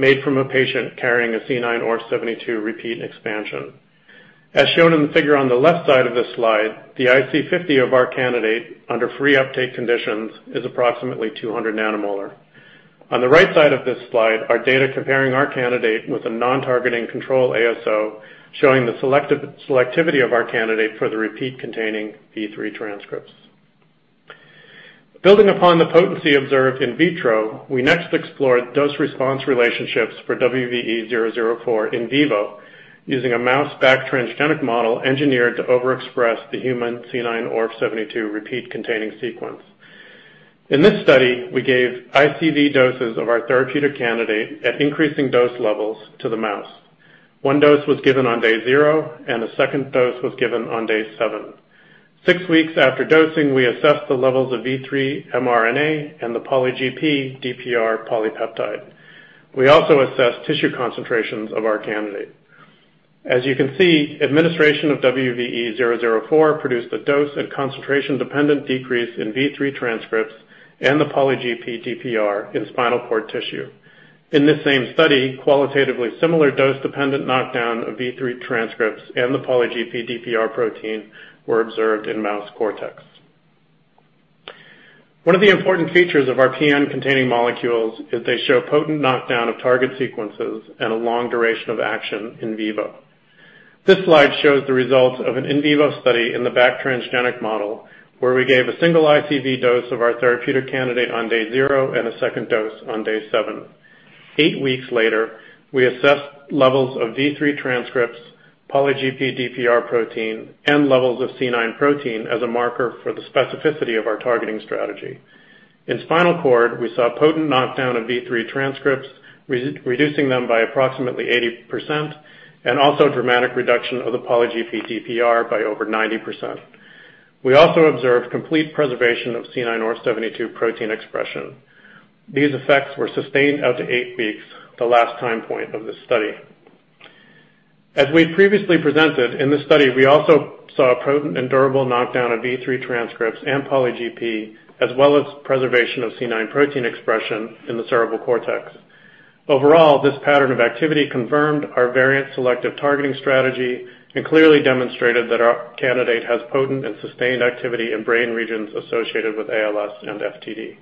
made from a patient carrying a C9orf72 repeat expansion. As shown in the figure on the left side of this slide, the IC50 of our candidate under free uptake conditions is approximately 200 nanomolar. On the right side of this slide, our data comparing our candidate with a non-targeting control ASO showing the selectivity of our candidate for the repeat-containing V3 transcripts. Building upon the potency observed in vitro, we next explored dose-response relationships for WVE-004 in vivo using a mouse BAC transgenic model engineered to overexpress the human C9orf72 repeat-containing sequence. In this study, we gave ICV doses of our therapeutic candidate at increasing dose levels to the mouse. One dose was given on day zero, and a second dose was given on day seven. Six weeks after dosing, we assessed the levels of V3 mRNA and the poly-GP DPR polypeptide. We also assessed tissue concentrations of our candidate. As you can see, administration of WVE-004 produced a dose and concentration-dependent decrease in V3 transcripts and the poly-GP DPR in spinal cord tissue. In this same study, qualitatively similar dose-dependent knockdown of V3 transcripts and the poly-GP DPR protein were observed in mouse cortex. One of the important features of our PN-containing molecules is they show potent knockdown of target sequences and a long duration of action in vivo. This slide shows the results of an in vivo study in the BAC transgenic model, where we gave a single ICV dose of our therapeutic candidate on day zero and a second dose on day seven. Eight weeks later, we assessed levels of V3 transcripts, poly-GP DPR protein, and levels of C9 protein as a marker for the specificity of our targeting strategy. In spinal cord, we saw potent knockdown of V3 transcripts, reducing them by approximately 80%, and also dramatic reduction of the poly-GP DPR by over 90%. We also observed complete preservation of C9orf72 protein expression. These effects were sustained out to eight weeks, the last time point of this study. As we previously presented, in this study, we also saw a potent and durable knockdown of V3 transcripts and poly-GP, as well as preservation of C9 protein expression in the cerebral cortex. Overall, this pattern of activity confirmed our variant selective targeting strategy and clearly demonstrated that our candidate has potent and sustained activity in brain regions associated with ALS and FTD.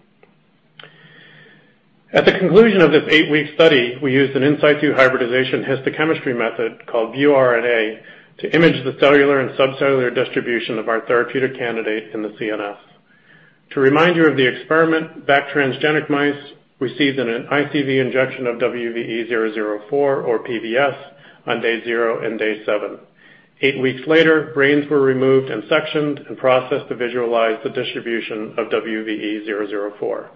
At the conclusion of this eight-week study, we used an in situ hybridization histochemistry method called ViewRNA to image the cellular and subcellular distribution of our therapeutic candidate in the CNS. To remind you of the experiment, BAC transgenic mice received an ICV injection of WVE-004 or PBS on day zero and day seven. Eight weeks later, brains were removed and sectioned and processed to visualize the distribution of WVE-004.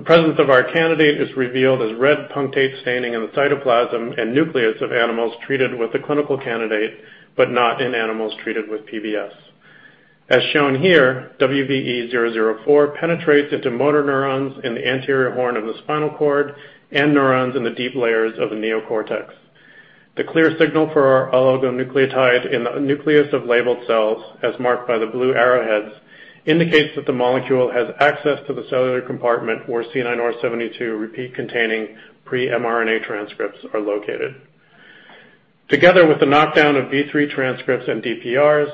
The presence of our candidate is revealed as red punctate staining in the cytoplasm and nucleus of animals treated with the clinical candidate, but not in animals treated with PBS. As shown here, WVE-004 penetrates into motor neurons in the anterior horn of the spinal cord and neurons in the deep layers of the neocortex. The clear signal for our oligonucleotide in the nucleus of labeled cells, as marked by the blue arrowheads, indicates that the molecule has access to the cellular compartment where C9orf72 repeat-containing pre-mRNA transcripts are located. Together with the knockdown of V3 transcripts and DPRs,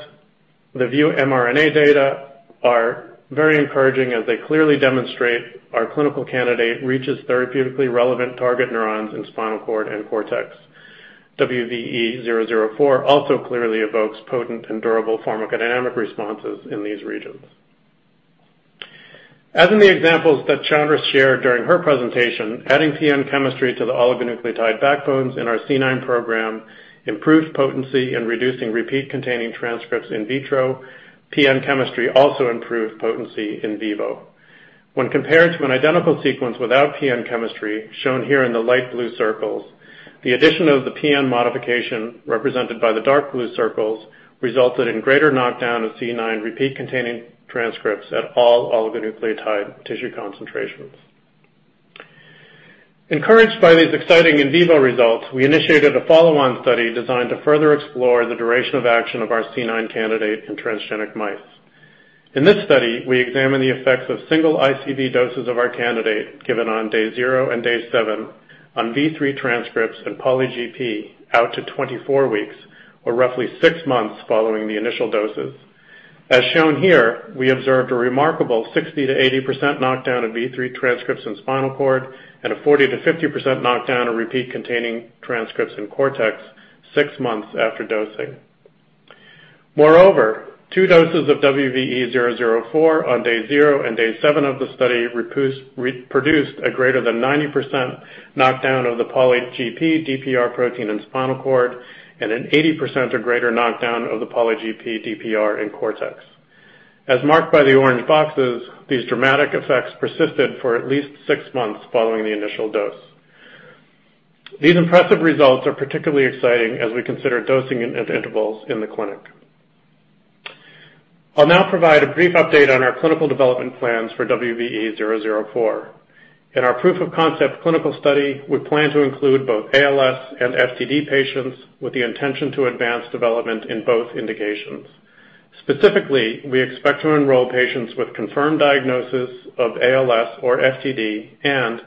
the ViewRNA data are very encouraging as they clearly demonstrate our clinical candidate reaches therapeutically relevant target neurons in spinal cord and cortex. WVE-004 also clearly evokes potent and durable pharmacodynamic responses in these regions. As in the examples that Chandra shared during her presentation, adding PN chemistry to the oligonucleotide backbones in our C9 program improved potency in reducing repeat-containing transcripts in vitro. PN chemistry also improved potency in vivo. When compared to an identical sequence without PN chemistry, shown here in the light blue circles. The addition of the PN modification represented by the dark blue circles resulted in greater knockdown of C9 repeat-containing transcripts at all oligonucleotide tissue concentrations. Encouraged by these exciting in vivo results, we initiated a follow-on study designed to further explore the duration of action of our C9 candidate in transgenic mice. In this study, we examine the effects of single ICV doses of our candidate, given on day zero and day seven on V3 transcripts and poly-GP out to 24 weeks, or roughly six months following the initial doses. As shown here, we observed a remarkable 60%-80% knockdown of V3 transcripts in spinal cord and a 40%-50% knockdown of repeat-containing transcripts in cortex six months after dosing. Moreover, two doses of WVE-004 on day zero and day seven of the study reproduced a greater than 90% knockdown of the poly-GP DPR protein in spinal cord and an 80% or greater knockdown of the poly-GP DPR in cortex. As marked by the orange boxes, these dramatic effects persisted for at least six months following the initial dose. These impressive results are particularly exciting as we consider dosing at intervals in the clinic. I'll now provide a brief update on our clinical development plans for WVE-004. In our proof-of-concept clinical study, we plan to include both ALS and FTD patients with the intention to advance development in both indications. Specifically, we expect to enroll patients with confirmed diagnosis of ALS or FTD and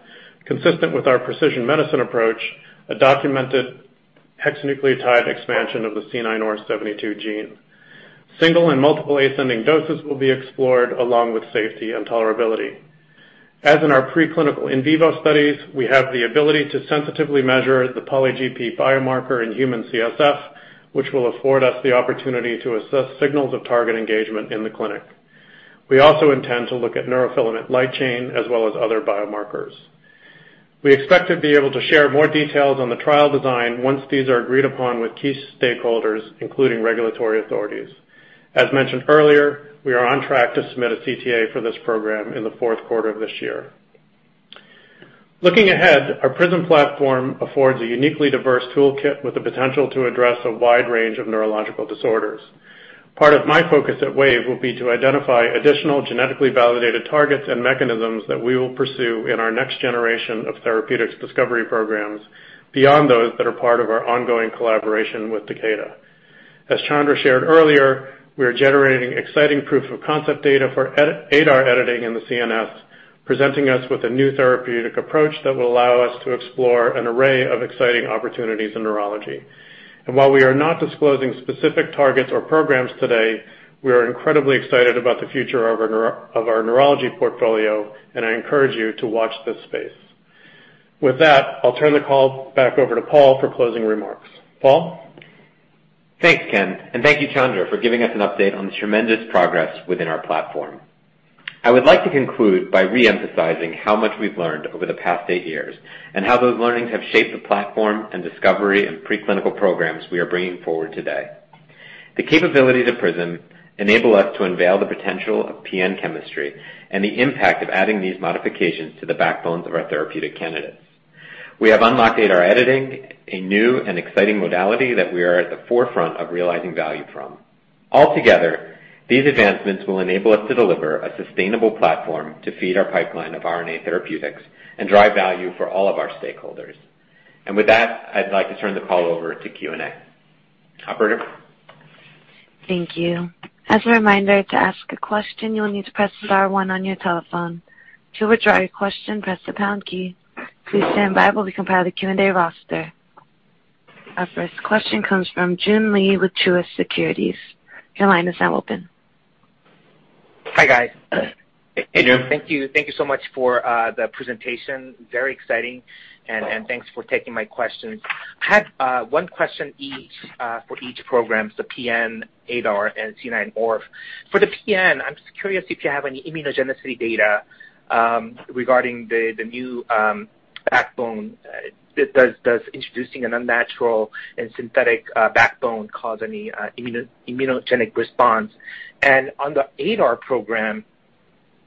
consistent with our precision medicine approach, a documented hexanucleotide expansion of the C9orf72 gene. Single and multiple ascending doses will be explored along with safety and tolerability. As in our preclinical in vivo studies, we have the ability to sensitively measure the poly-GP biomarker in human CSF, which will afford us the opportunity to assess signals of target engagement in the clinic. We also intend to look at neurofilament light chain as well as other biomarkers. We expect to be able to share more details on the trial design once these are agreed upon with key stakeholders, including regulatory authorities. As mentioned earlier, we are on track to submit a CTA for this program in the fourth quarter of this year. Looking ahead, our PRISM platform affords a uniquely diverse toolkit with the potential to address a wide range of neurological disorders. Part of my focus at Wave will be to identify additional genetically validated targets and mechanisms that we will pursue in our next generation of therapeutics discovery programs beyond those that are part of our ongoing collaboration with Takeda. As Chandra shared earlier, we are generating exciting proof-of-concept data for ADAR editing in the CNS, presenting us with a new therapeutic approach that will allow us to explore an array of exciting opportunities in neurology. While we are not disclosing specific targets or programs today, we are incredibly excited about the future of our neurology portfolio, and I encourage you to watch this space. With that, I'll turn the call back over to Paul for closing remarks. Paul? Thanks, Ken, and thank you, Chandra, for giving us an update on the tremendous progress within our platform. I would like to conclude by re-emphasizing how much we've learned over the past eight years and how those learnings have shaped the platform and discovery and preclinical programs we are bringing forward today. The capabilities of PRISM enable us to unveil the potential of PN chemistry and the impact of adding these modifications to the backbones of our therapeutic candidates. We have unlocked ADAR editing, a new and exciting modality that we are at the forefront of realizing value from. Altogether, these advancements will enable us to deliver a sustainable platform to feed our pipeline of RNA therapeutics and drive value for all of our stakeholders. With that, I'd like to turn the call over to Q&A. Operator? Thank you. As a reminder, to ask a question, you will need to press star one on your telephone. To withdraw your question, press the pound key. Please stand by while we compile the Q&A roster. Our first question comes from Joon Lee with Truist Securities. Your line is now open. Hi, guys. Hey, Joon. Thank you so much for the presentation. Very exciting. Thanks for taking my questions. I had one question for each program, the PN, ADAR, and C9orf. For the PN, I'm just curious if you have any immunogenicity data regarding the new backbone. Does introducing an unnatural and synthetic backbone cause any immunogenic response? On the ADAR program,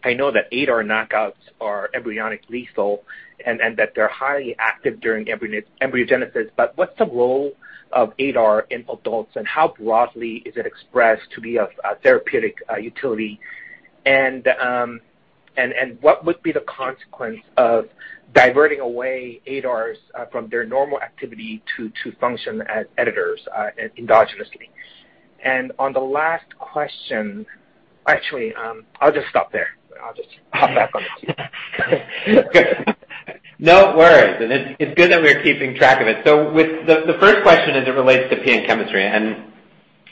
I know that ADAR knockouts are embryonic lethal and that they're highly active during embryogenesis. What's the role of ADAR in adults, and how broadly is it expressed to be of therapeutic utility? What would be the consequence of diverting away ADARs from their normal activity to function as editors endogenously? On the last question... Actually, I'll just stop there. I'll just hop back on the queue. No worries. It's good that we are keeping track of it. The first question as it relates to PN chemistry,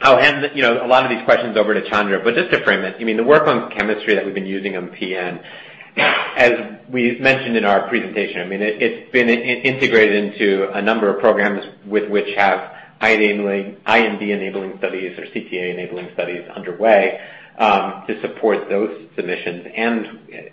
and I'll hand a lot of these questions over to Chandra, but just to frame it, the work on chemistry that we've been using on PN, as we mentioned in our presentation, it's been integrated into a number of programs with which have IND-enabling studies or CTA-enabling studies underway to support those submissions and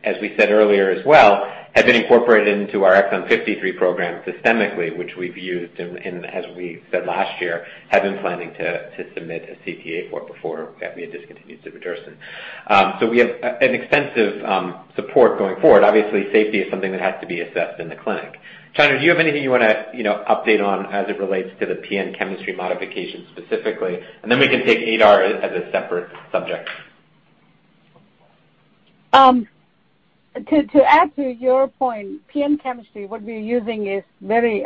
as we said earlier as well, have been incorporated into our Exon 53 program systemically, which we've used, and as we said last year, have been planning to submit a CTA for before [tominersen]. We have an extensive support going forward. Obviously, safety is something that has to be assessed in the clinic. Chandra, do you have anything you want to update on as it relates to the PN chemistry modification specifically? Then we can take ADAR as a separate subject. To add to your point, PN chemistry, what we're using is very,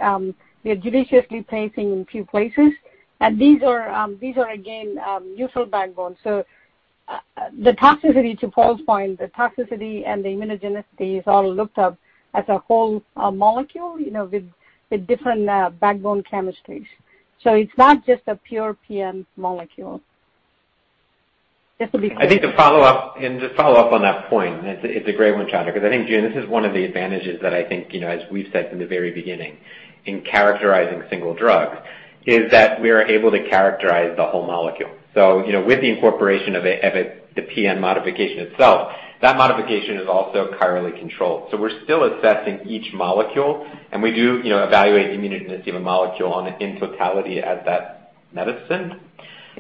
we're judiciously placing in a few places, and these are again, useful backbone. The toxicity, to Paul's point, the toxicity and the immunogenicity is all looked at as a whole molecule, with different backbone chemistries. It's not just a pure PN molecule. Just to be clear. I think to follow up on that point, it's a great one, Chandra, because I think, Joon, this is one of the advantages that I think as we've said from the very beginning in characterizing single drugs, is that we are able to characterize the whole molecule. With the incorporation of the PN modification itself, that modification is also chirally controlled. We're still assessing each molecule, and we do evaluate the immunogenicity of a molecule on it in totality as that medicine.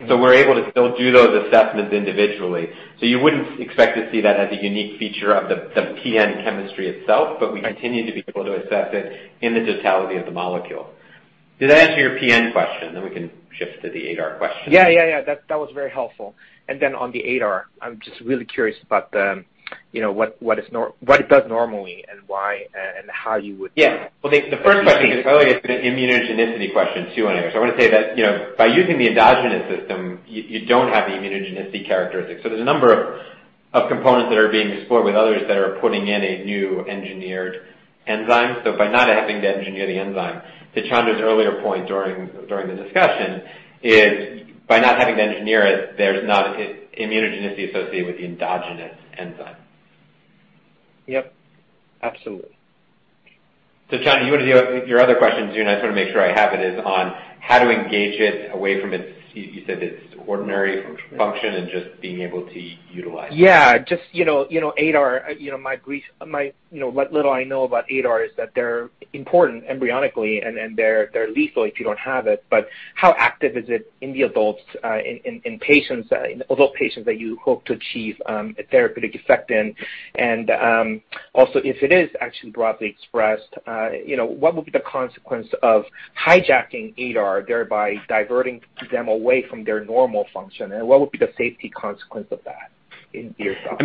We're able to still do those assessments individually. You wouldn't expect to see that as a unique feature of the PN chemistry itself, but we continue to be able to assess it in the totality of the molecule. Did that answer your PN question? We can shift to the ADAR question. Yeah. That was very helpful. On the ADAR, I'm just really curious about what it does normally and why and how you would? Yeah. Well, the first question is probably an immunogenicity question, too, anyway. I want to say that, by using the endogenous system, you don't have the immunogenicity characteristics. There's a number of components that are being explored with others that are putting in a new engineered enzyme. By not having to engineer the enzyme, to Chandra's earlier point during the discussion is, by not having to engineer it, there's not immunogenicity associated with the endogenous enzyme. Yep, absolutely. Chandra, your other questions, Joon, I just want to make sure I have it, is on how to engage it away from its, you said, its ordinary function and just being able to utilize it. Yeah. Just ADAR, what little I know about ADAR is that they're important embryonically, and they're lethal if you don't have it. How active is it in the adults, in adult patients that you hope to achieve a therapeutic effect in? Also, if it is actually broadly expressed, what would be the consequence of hijacking ADAR, thereby diverting them away from their normal function, and what would be the safety consequence of that in your thoughts?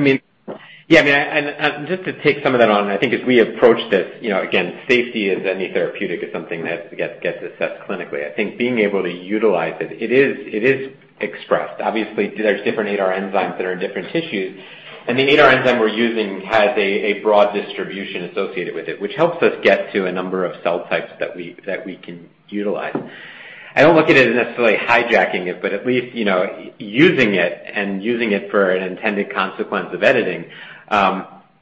Yeah, just to take some of that on, I think as we approach this, again, safety as any therapeutic is something that gets assessed clinically. I think being able to utilize it is expressed. Obviously, there's different ADAR enzymes that are in different tissues, and the ADAR enzyme we're using has a broad distribution associated with it, which helps us get to a number of cell types that we can utilize. I don't look at it as necessarily hijacking it, but at least using it, and using it for an intended consequence of editing,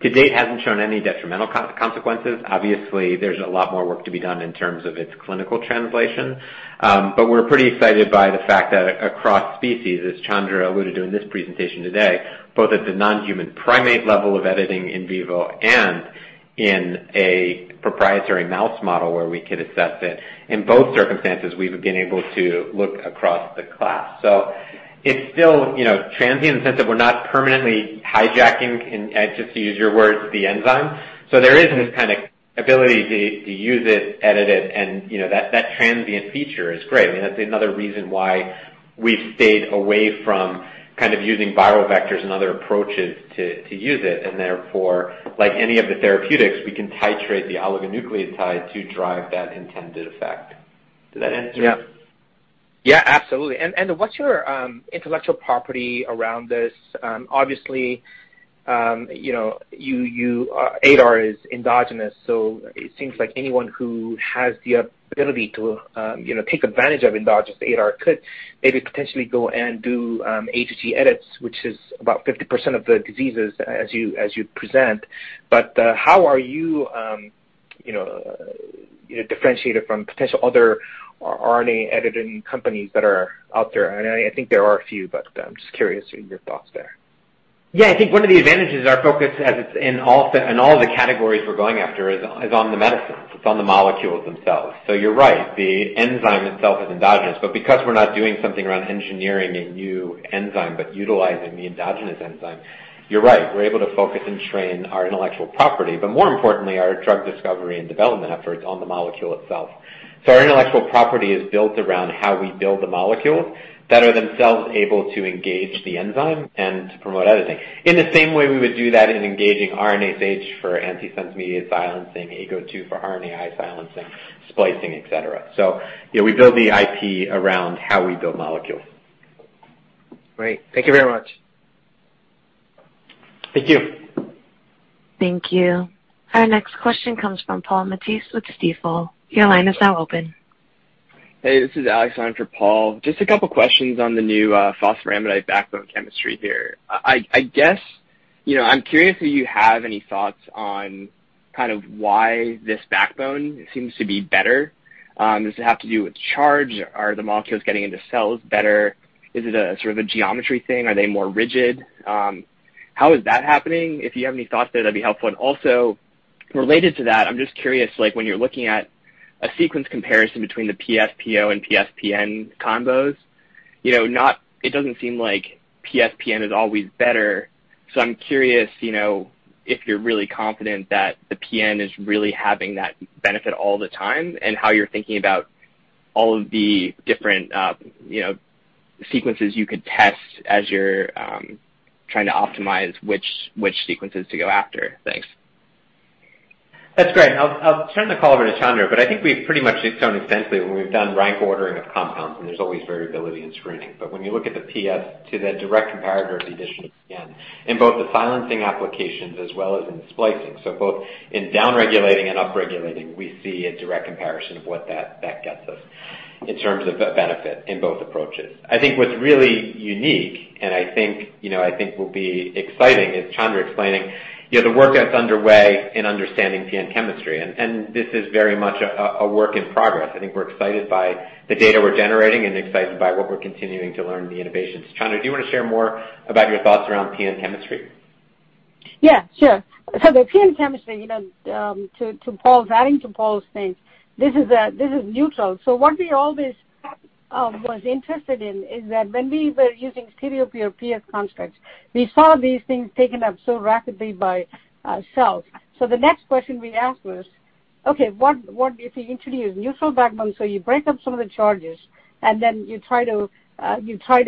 to date, hasn't shown any detrimental consequences. Obviously, there's a lot more work to be done in terms of its clinical translation. We're pretty excited by the fact that across species, as Chandra alluded to in this presentation today, both at the non-human primate level of editing in vivo and in a proprietary mouse model where we could assess it, in both circumstances, we've been able to look across the class. It's still transient in the sense that we're not permanently hijacking, and just to use your words, the enzyme. There is this kind of ability to use it, edit it, and that transient feature is great. That's another reason why we've stayed away from kind of using viral vectors and other approaches to use it, and therefore, like any of the therapeutics, we can titrate the oligonucleotide to drive that intended effect. Did that answer? Yeah, absolutely. What's your intellectual property around this? Obviously, ADAR is endogenous, so it seems like anyone who has the ability to take advantage of endogenous ADAR could maybe potentially go and do AGG edits, which is about 50% of the diseases as you present. How are you differentiated from potential other RNA-editing companies that are out there? I think there are a few, but I'm just curious your thoughts there. Yeah. I think one of the advantages, our focus has, in all the categories we're going after, is on the medicines. It's on the molecules themselves. You're right, the enzyme itself is endogenous, but because we're not doing something around engineering a new enzyme, but utilizing the endogenous enzyme, you're right, we're able to focus and train our intellectual property, but more importantly, our drug discovery and development efforts on the molecule itself. Our intellectual property is built around how we build the molecules that are themselves able to engage the enzyme and promote editing. In the same way we would do that in engaging RNase H for antisense-mediated silencing, AGO2 for RNAi silencing, splicing, et cetera. We build the IP around how we build molecules. Great. Thank you very much. Thank you. Thank you. Our next question comes from Paul Matteis with Stifel. Your line is now open. Hey, this is Alex in for Paul. Just a couple questions on the new phosphoramidite backbone chemistry here. I guess, I'm curious if you have any thoughts on kind of why this backbone seems to be better. Does it have to do with charge? Are the molecules getting into cells better? Is it a sort of a geometry thing? Are they more rigid? How is that happening? If you have any thoughts there, that'd be helpful. Also related to that, I'm just curious, like, when you're looking at a sequence comparison between the PSPO and PSPN combos, it doesn't seem like PSPN is always better. I'm curious if you're really confident that the PN is really having that benefit all the time, and how you're thinking about all of the different sequences you could test as you're trying to optimize which sequences to go after. Thanks. That's great. I'll turn the call over to Chandra. I think we've pretty much shown extensively when we've done rank ordering of compounds, and there's always variability in screening. When you look at the PS to the direct comparator of the addition of PN in both the silencing applications as well as in splicing. Both in down-regulating and up-regulating, we see a direct comparison of what that gets us in terms of benefit in both approaches. I think what's really unique, and I think will be exciting, is Chandra explaining the work that's underway in understanding PN chemistry. This is very much a work in progress. I think we're excited by the data we're generating and excited by what we're continuing to learn, the innovations. Chandra, do you want to share more about your thoughts around PN chemistry? Yeah, sure. The PN chemistry, adding to Paul's things, this is neutral. What we always was interested in is that when we were using stereopure PS constructs, we saw these things taken up so rapidly by cells. The next question we asked was, okay, what if we introduce neutral backbone? You break up some of the charges, and then you try to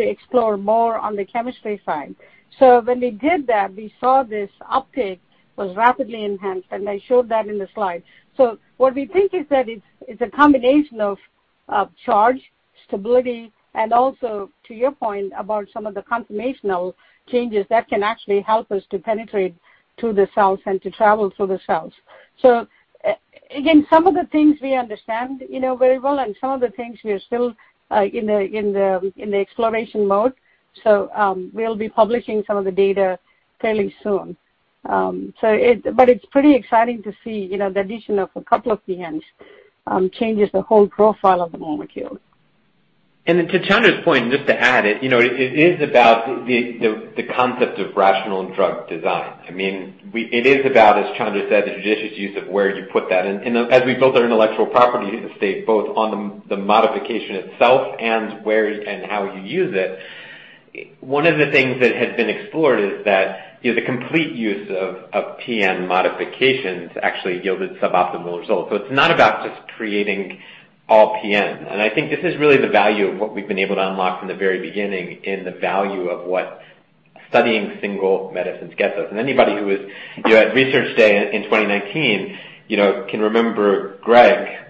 explore more on the chemistry side. When we did that, we saw this uptake was rapidly enhanced, and I showed that in the slide. What we think is that it's a combination of charge, stability, and also, to your point about some of the conformational changes that can actually help us to penetrate to the cells and to travel through the cells. Again, some of the things we understand very well and some of the things we are still in the exploration mode. We'll be publishing some of the data fairly soon. It's pretty exciting to see the addition of a couple of PN changes the whole profile of the molecule. Then to Chandra's point, and just to add it is about the concept of rational and drug design. It is about, as Chandra said, the judicious use of where you put that in. As we built our intellectual property estate, both on the modification itself and how you use it, one of the things that had been explored is that the complete use of PN modifications actually yielded suboptimal results. It's not about just creating all PN. I think this is really the value of what we've been able to unlock from the very beginning in the value of what studying single medicines gets us. Anybody who was at Research Day in 2019 can remember Greg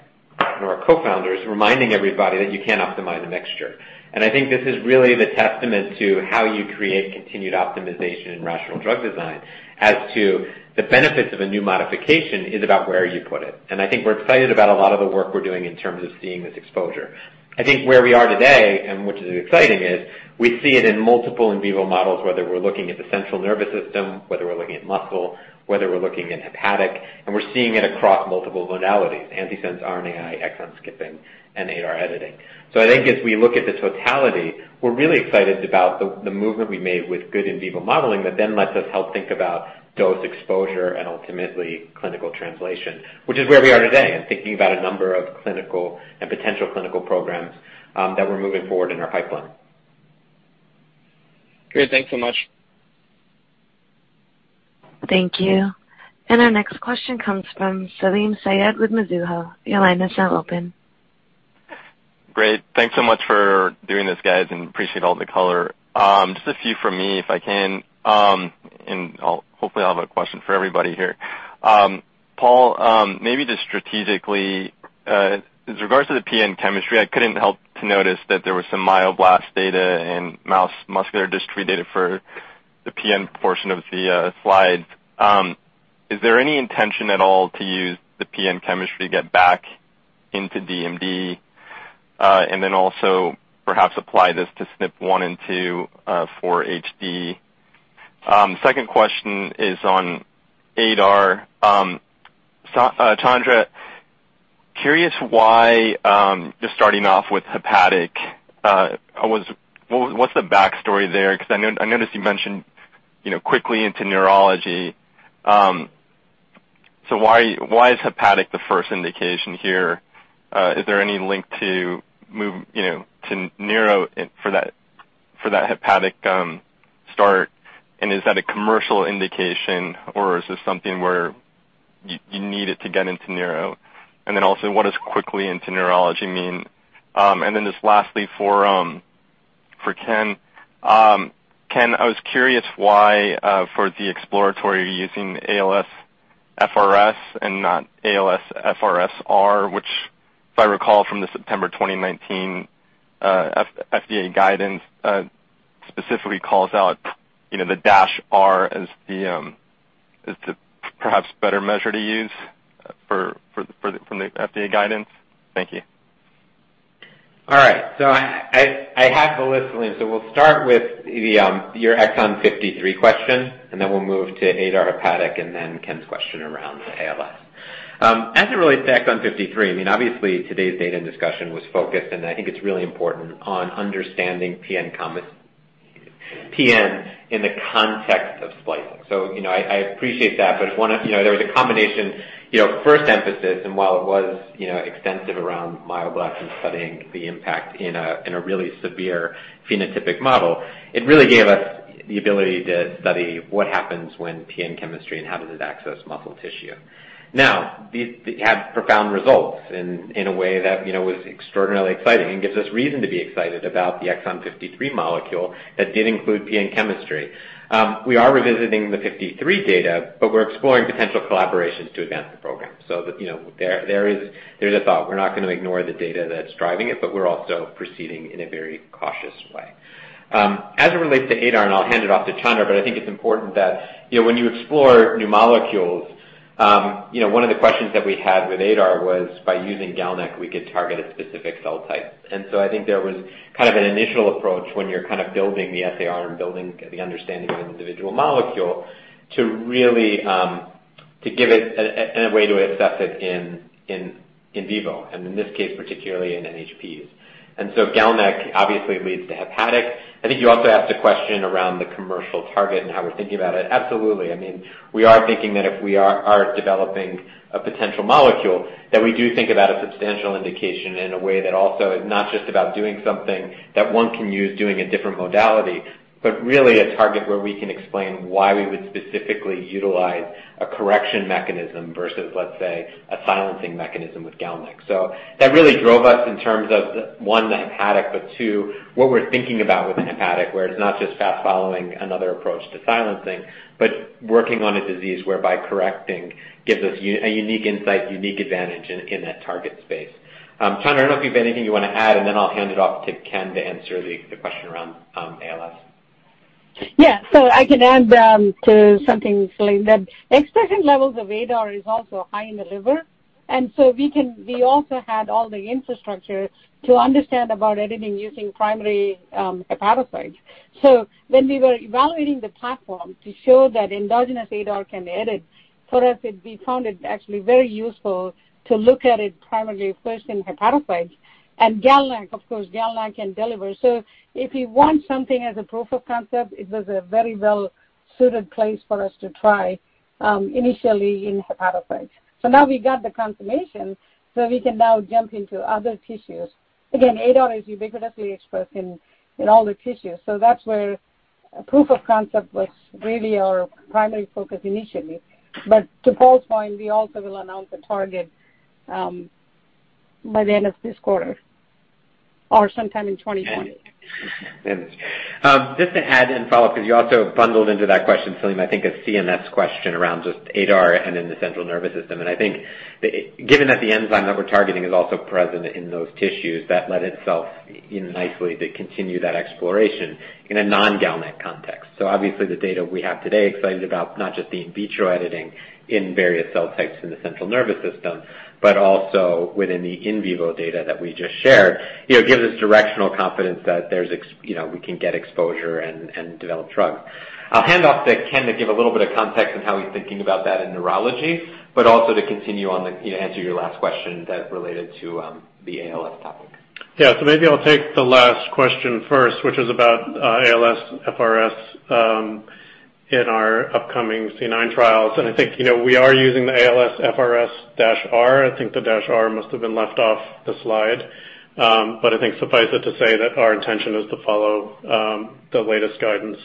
and our co-founders reminding everybody that you can't optimize a mixture. I think this is really the testament to how you create continued optimization in rational drug design as to the benefits of a new modification is about where you put it. I think we're excited about a lot of the work we're doing in terms of seeing this exposure. I think where we are today, and which is exciting, is we see it in multiple in vivo models, whether we're looking at the central nervous system, whether we're looking at muscle, whether we're looking at hepatic, and we're seeing it across multiple modalities, antisense, RNAi, exon skipping, and ADAR editing. I think as we look at the totality, we're really excited about the movement we made with good in vivo modeling that then lets us help think about dose exposure and ultimately clinical translation, which is where we are today in thinking about a number of clinical and potential clinical programs that we're moving forward in our pipeline. Great. Thanks so much. Thank you. Our next question comes from Salim Syed with Mizuho. Your line is now open. Great. Thanks so much for doing this, guys, and appreciate all the color. Just a few from me, if I can, and hopefully I'll have a question for everybody here. Paul, maybe just strategically, with regards to the PN chemistry, I couldn't help to notice that there was some myoblast data and mouse muscular dystrophy data for the PN portion of the slides. Is there any intention at all to use the PN chemistry to get back into DMD, and then also perhaps apply this to SNP1 and 2 for HD? Second question is on ADAR. Chandra, curious why just starting off with hepatic. What's the backstory there? Because I noticed you mentioned quickly into neurology. So why is hepatic the first indication here? Is there any link to neuro for that hepatic start, and is that a commercial indication, or is this something where you need it to get into neuro? What does quickly into neurology mean? Lastly, for Ken. Ken, I was curious why, for the exploratory, you're using ALSFRS and not ALSFRS-R, which, if I recall from the September 2019 FDA guidance, specifically calls out the dash R as the perhaps better measure to use from the FDA guidance. Thank you. All right. I have the list, Salim. We'll start with your Exon 53 question, then we'll move to ADAR hepatic, and then Ken's question around the ALS. As it relates to Exon 53, obviously, today's data and discussion was focused, and I think it's really important on understanding PN in the context of splicing. I appreciate that. There was a combination, first emphasis, and while it was extensive around myoblasts and studying the impact in a really severe phenotypic model, it really gave us the ability to study what happens when PN chemistry and how does it access muscle tissue. These have profound results in a way that was extraordinarily exciting and gives us reason to be excited about the Exon 53 molecule that did include PN chemistry. We are revisiting the 53 data, but we're exploring potential collaborations to advance the program. There's a thought. We're not going to ignore the data that's driving it, but we're also proceeding in a very cautious way. As it relates to ADAR, and I'll hand it off to Chandra, but I think it's important that when you explore new molecules, one of the questions that we had with ADAR was by using GalNAc, we could target a specific cell type. I think there was an initial approach when you're building the SAR and building the understanding of an individual molecule, to give it a way to assess it in vivo, and in this case, particularly in NHPs. GalNAc obviously leads to hepatic. I think you also asked a question around the commercial target and how we're thinking about it. Absolutely. We are thinking that if we are developing a potential molecule, that we do think about a substantial indication in a way that also is not just about doing something that one can use doing a different modality, but really a target where we can explain why we would specifically utilize a correction mechanism versus, let's say, a silencing mechanism with GalNAc. That really drove us in terms of, one, the hepatic, but two, what we're thinking about with the hepatic, where it's not just fast-following another approach to silencing, but working on a disease where by correcting gives us a unique insight, unique advantage in that target space. Chandra, I don't know if you have anything you want to add, and then I'll hand it off to Ken to answer the question around ALS. Yeah. I can add to something, Salim, that expression levels of ADAR is also high in the liver. We also had all the infrastructure to understand about editing using primary hepatocytes. When we were evaluating the platform to show that endogenous ADAR can edit, for us, we found it actually very useful to look at it primarily first in hepatocytes. GalNAc, of course, GalNAc can deliver. If you want something as a proof of concept, it was a very well-suited place for us to try, initially in hepatocytes. Now we got the confirmation, so we can now jump into other tissues. ADAR is ubiquitously expressed in all the tissues, so that's where proof of concept was really our primary focus initially. To Paul's point, we also will announce a target by the end of this quarter or sometime in 2020. Just to add and follow up, because you also bundled into that question, Salim, I think a CNS question around just ADAR and in the central nervous system. I think, given that the enzyme that we're targeting is also present in those tissues, that lent itself nicely to continue that exploration in a non-GalNAc context. Obviously, the data we have today, excited about not just the in vitro editing in various cell types in the central nervous system, but also within the in vivo data that we just shared, gives us directional confidence that we can get exposure and develop drug. I'll hand off to Ken to give a little bit of context on how he's thinking about that in neurology, but also to continue on to answer your last question that related to the ALS topic. Yeah. Maybe I'll take the last question first, which is about ALSFRS in our upcoming C9 trials. I think we are using the ALSFRS-R. I think the "-R" must have been left off the slide. I think suffice it to say that our intention is to follow the latest guidance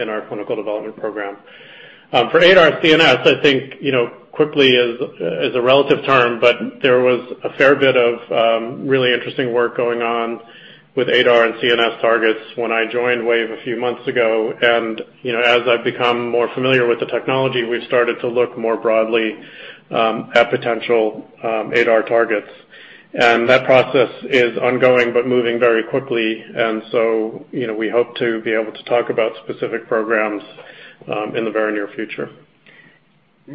in our clinical development program. For ADAR CNS, I think quickly is a relative term, but there was a fair bit of really interesting work going on with ADAR and CNS targets when I joined Wave a few months ago. As I've become more familiar with the technology, we've started to look more broadly at potential ADAR targets. That process is ongoing but moving very quickly. We hope to be able to talk about specific programs in the very near future.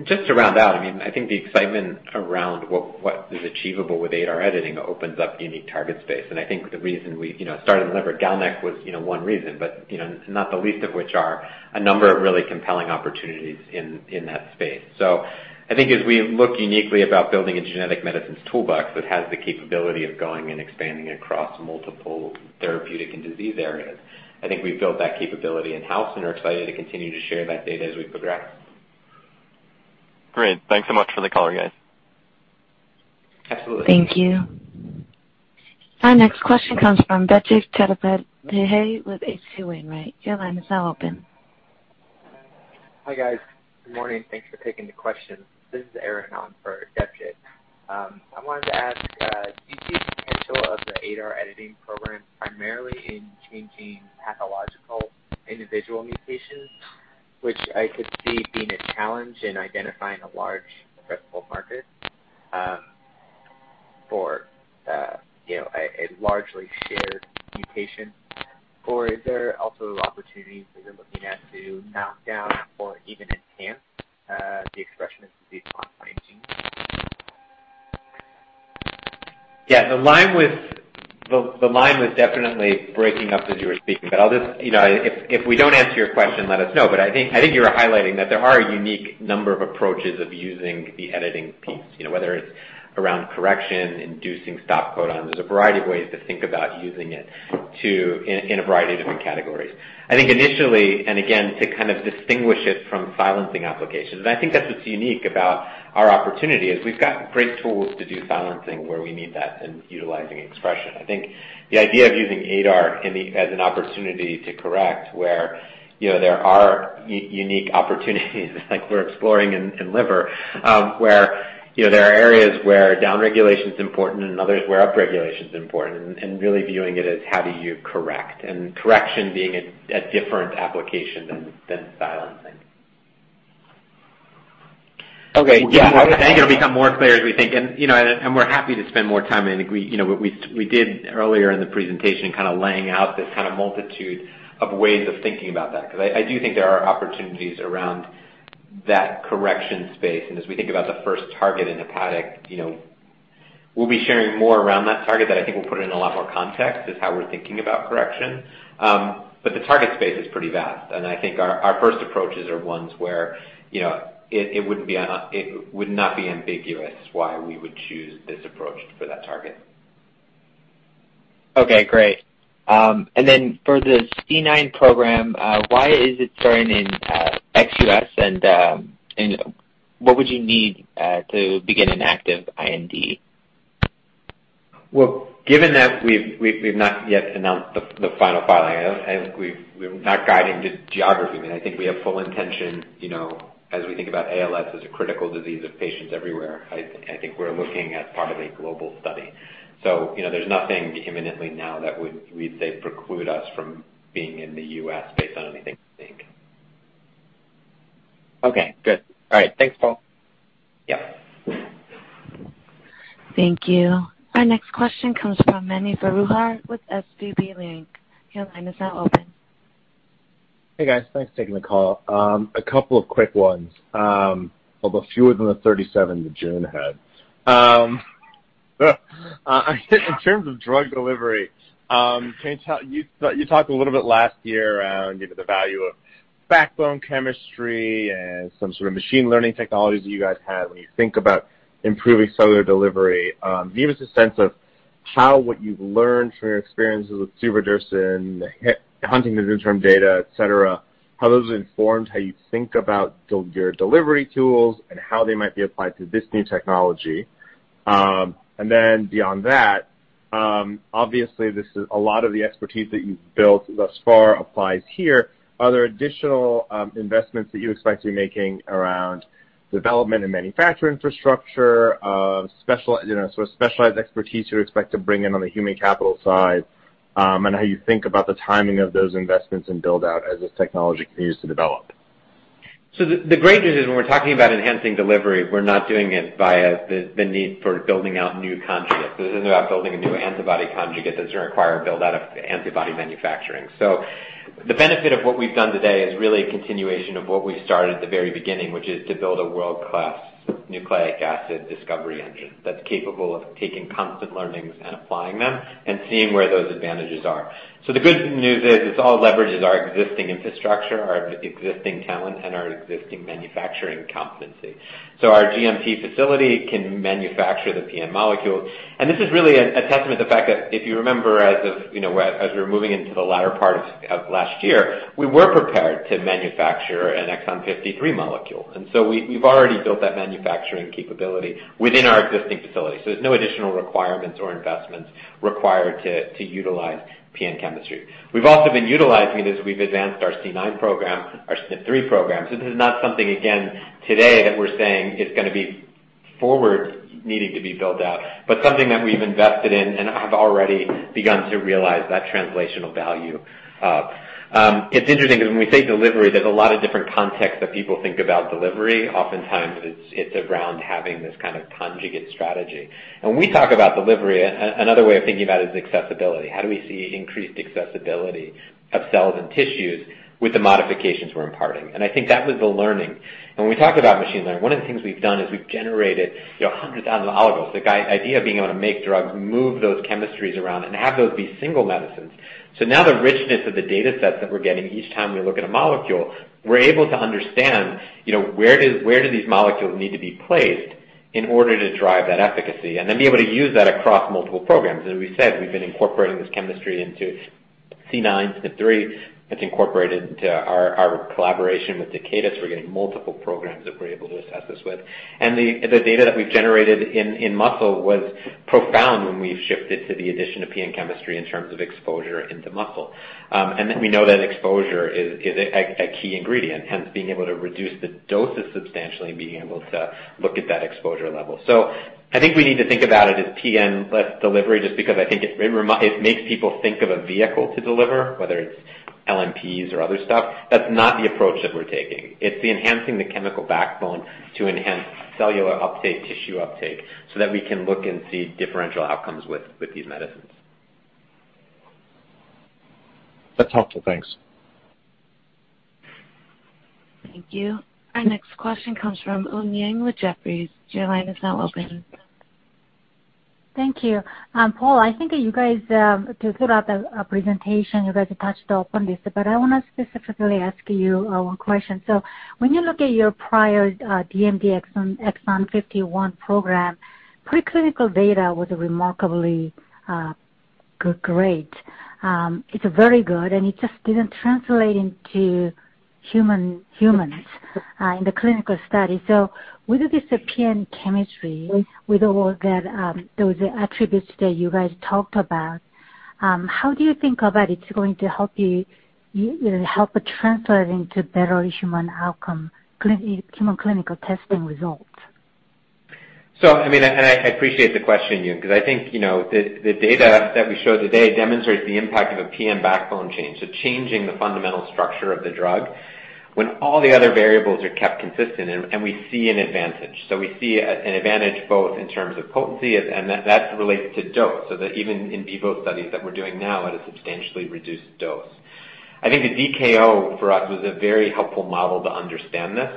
Just to round out, I think the excitement around what is achievable with ADAR editing opens up unique target space. I think the reason we started in liver, GalNAc was one reason, but not the least of which are a number of really compelling opportunities in that space. I think as we look uniquely about building a genetic medicines toolbox that has the capability of going and expanding across multiple therapeutic and disease areas, I think we've built that capability in-house and are excited to continue to share that data as we progress. Great. Thanks so much for the call, guys. Absolutely. Thank you. Our next question comes from Debjit Chattopadhyay with H.C. Wainwright. Your line is now open. Hi, guys. Good morning. Thanks for taking the question. This is Aaron on for Debjit. I wanted to ask, do you see the potential of the ADAR editing program primarily in changing pathological individual mutations, which I could see being a challenge in identifying a large addressable market for a largely shared mutation? Is there also opportunities that you're looking at to knock down or even enhance the expression of these long chains? Yeah, the line was definitely breaking up as you were speaking. If we don't answer your question, let us know. I think you were highlighting that there are a unique number of approaches of using the editing piece, whether it's around correction, inducing stop codons, there's a variety of ways to think about using it in a variety of different categories. I think initially, and again, to kind of distinguish it from silencing applications. I think that's what's unique about our opportunity is we've got great tools to do silencing where we need that in utilizing expression. I think the idea of using ADAR as an opportunity to correct where there are unique opportunities like we're exploring in liver, where there are areas where downregulation is important and others where upregulation is important, and really viewing it as how do you correct, and correction being a different application than silencing. Okay, yeah. I think it'll become more clear as we think, and we're happy to spend more time, and we did earlier in the presentation, laying out this multitude of ways of thinking about that, because I do think there are opportunities around that correction space. As we think about the first target in hepatic, we'll be sharing more around that target that I think will put it in a lot more context is how we're thinking about correction. The target space is pretty vast, and I think our first approaches are ones where it would not be ambiguous why we would choose this approach for that target. Okay, great. For the C9 program, why is it starting in ex-U.S., and what would you need to begin an active IND? Well, given that we've not yet announced the final filing, and we're not guiding to geography. I think we have full intention as we think about ALS as a critical disease of patients everywhere. I think we're looking at part of a global study. There's nothing imminently now that would, we'd say, preclude us from being in the U.S. based on anything to think. Okay, good. All right. Thanks, Paul. Yeah. Thank you. Our next question comes from Mani Foroohar with SVB Leerink. Your line is now open. Hey, guys. Thanks for taking the call. A couple of quick ones, although fewer than the 37 that Joon had. In terms of drug delivery, you talked a little bit last year around the value of backbone chemistry and some sort of machine learning technologies that you guys have when you think about improving cellular delivery. Can you give us a sense of how what you've learned from your experiences with tominersen, the huntingtin interim data, et cetera, how those informed how you think about your delivery tools and how they might be applied to this new technology? Beyond that, obviously, a lot of the expertise that you've built thus far applies here. Are there additional investments that you expect to be making around development and manufacture infrastructure, specialized expertise you expect to bring in on the human capital side, and how you think about the timing of those investments and build-out as this technology continues to develop? The great news is when we're talking about enhancing delivery, we're not doing it via the need for building out new conjugates. This isn't about building a new antibody conjugate that's going to require a build-out of antibody manufacturing. The benefit of what we've done today is really a continuation of what we started at the very beginning, which is to build a world-class nucleic acid discovery engine that's capable of taking constant learnings and applying them and seeing where those advantages are. The good news is it all leverages our existing infrastructure, our existing talent and our existing manufacturing competency. Our GMP facility can manufacture the PN molecule. This is really a testament to the fact that if you remember as we were moving into the latter part of last year, we were prepared to manufacture an Exon 53 molecule. We've already built that manufacturing capability within our existing facility, so there's no additional requirements or investments required to utilize PN chemistry. We've also been utilizing it as we've advanced our C9 program, our SNP3 program. This is not something, again, today that we're saying is going to be forward needing to be built out, but something that we've invested in and have already begun to realize that translational value of. It's interesting because when we say delivery, there's a lot of different contexts that people think about delivery. Oftentimes it's around having this kind of conjugate strategy. When we talk about delivery, another way of thinking about it is accessibility. How do we see increased accessibility of cells and tissues with the modifications we're imparting? I think that was the learning. When we talk about machine learning, one of the things we've done is we've generated hundreds of thousands of oligos. The idea of being able to make drugs, move those chemistries around, and have those be single medicines. Now the richness of the data sets that we're getting, each time we look at a molecule, we're able to understand where do these molecules need to be placed in order to drive that efficacy and then be able to use that across multiple programs. As we said, we've been incorporating this chemistry into C9, SNP3. It's incorporated into our collaboration with Takeda, so we're getting multiple programs that we're able to assess this with. The data that we've generated in muscle was profound when we've shifted to the addition of PN chemistry in terms of exposure into muscle. We know that exposure is a key ingredient, hence being able to reduce the doses substantially and being able to look at that exposure level. I think we need to think about it as PNs delivery, just because I think it makes people think of a vehicle to deliver, whether it's LNPs or other stuff. That's not the approach that we're taking. It's enhancing the chemical backbone to enhance cellular uptake, tissue uptake, so that we can look and see differential outcomes with these medicines. That's helpful. Thanks. Thank you. Our next question comes from Eun Yang with Jefferies. Your line is now open. Thank you. Paul, I think that you guys, throughout the presentation, you guys touched upon this, but I want to specifically ask you one question. When you look at your prior DMD exon 51 program, preclinical data was remarkably great. It's very good, and it just didn't translate into humans in the clinical study. With this PN chemistry, with all those attributes that you guys talked about, how do you think about it's going to help you transfer it into better human outcome, human clinical testing results? I appreciate the question, Eun, because I think the data that we showed today demonstrates the impact of a PN backbone change. Changing the fundamental structure of the drug, when all the other variables are kept consistent and we see an advantage. We see an advantage both in terms of potency, and that relates to dose, so that even in people studies that we're doing now at a substantially reduced dose. I think the DKO for us was a very helpful model to understand this,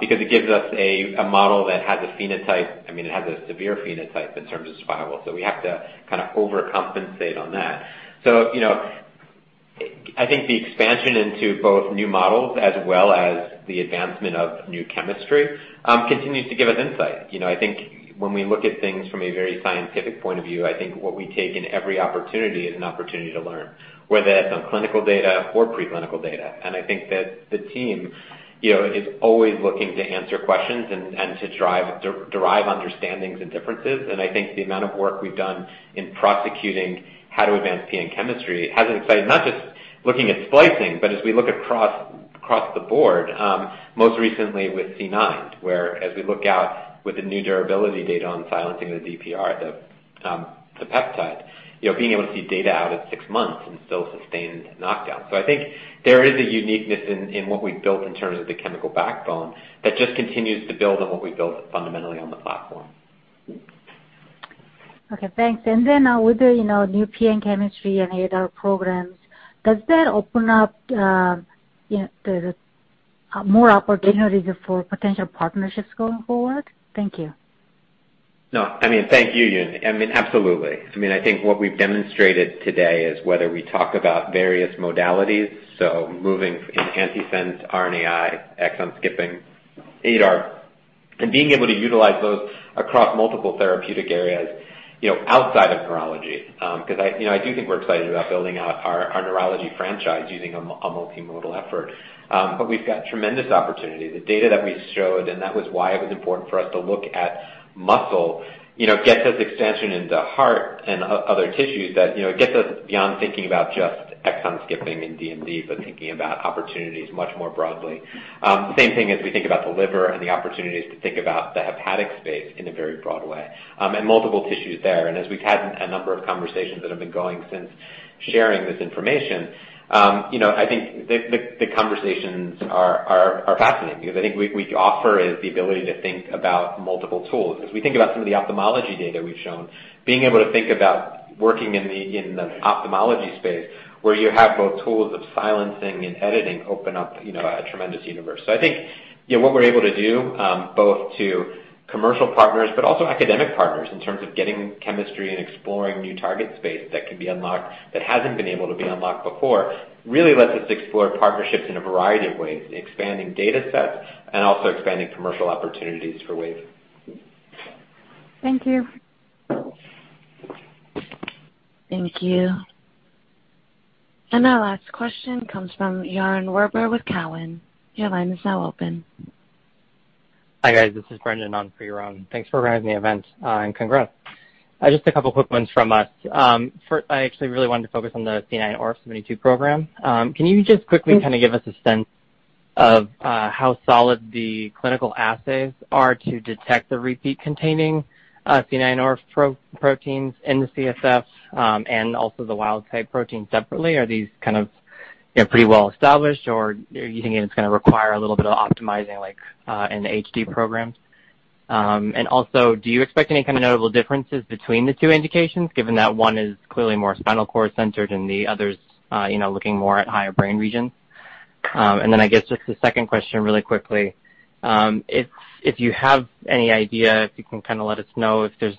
because it gives us a model that has a phenotype, I mean, it has a severe phenotype in terms of spinal, so we have to kind of overcompensate on that. I think the expansion into both new models as well as the advancement of new chemistry, continues to give us insight. I think when we look at things from a very scientific point of view, I think what we take in every opportunity is an opportunity to learn, whether that's on clinical data or preclinical data. I think that the team is always looking to answer questions and to derive understandings and differences. I think the amount of work we've done in prosecuting how to advance PN chemistry has insight, not just looking at splicing, but as we look across the board, most recently with C9, where as we look out with the new durability data on silencing the DPR, the peptide, being able to see data out at six months and still sustained knockdown. I think there is a uniqueness in what we've built in terms of the chemical backbone that just continues to build on what we've built fundamentally on the platform. Okay, thanks. Then with the new PN chemistry and ADAR programs, does that open up more opportunities for potential partnerships going forward? Thank you. No, I mean, thank you, Eun. I mean, absolutely. I think what we've demonstrated today is whether we talk about various modalities, so moving in antisense, RNAi, exon skipping, ADAR, being able to utilize those across multiple therapeutic areas outside of neurology. I do think we're excited about building out our neurology franchise using a multimodal effort. We've got tremendous opportunity. The data that we showed, and that was why it was important for us to look at muscle, gets us expansion into heart and other tissues that gets us beyond thinking about just exon skipping and DMD, but thinking about opportunities much more broadly. Same thing as we think about the liver and the opportunities to think about the hepatic space in a very broad way, and multiple tissues there. As we've had a number of conversations that have been going since sharing this information, I think the conversations are fascinating because I think we offer is the ability to think about multiple tools. As we think about some of the ophthalmology data we've shown, being able to think about working in the ophthalmology space where you have both tools of silencing and editing open up a tremendous universe. I think what we're able to do, both to commercial partners but also academic partners in terms of getting chemistry and exploring new target space that can be unlocked that hasn't been able to be unlocked before, really lets us explore partnerships in a variety of ways, expanding datasets and also expanding commercial opportunities for Wave. Thank you. Thank you. Our last question comes from Yaron Werber with Cowen. Your line is now open. Hi, guys. This is Brendan on for Yaron. Thanks for organizing the event, and congrats. Just a couple quick ones from us. First, I actually really wanted to focus on the C9orf72 program. Can you just quickly kind of give us a sense of how solid the clinical assays are to detect the repeat-containing C9orf proteins in the CSF, and also the wild type protein separately? Are these kind of pretty well established or do you think it's going to require a little bit of optimizing like in the HD programs? Also, do you expect any kind of notable differences between the two indications, given that one is clearly more spinal cord centered and the other's looking more at higher brain regions? I guess just the second question really quickly, if you have any idea, if you can let us know if there's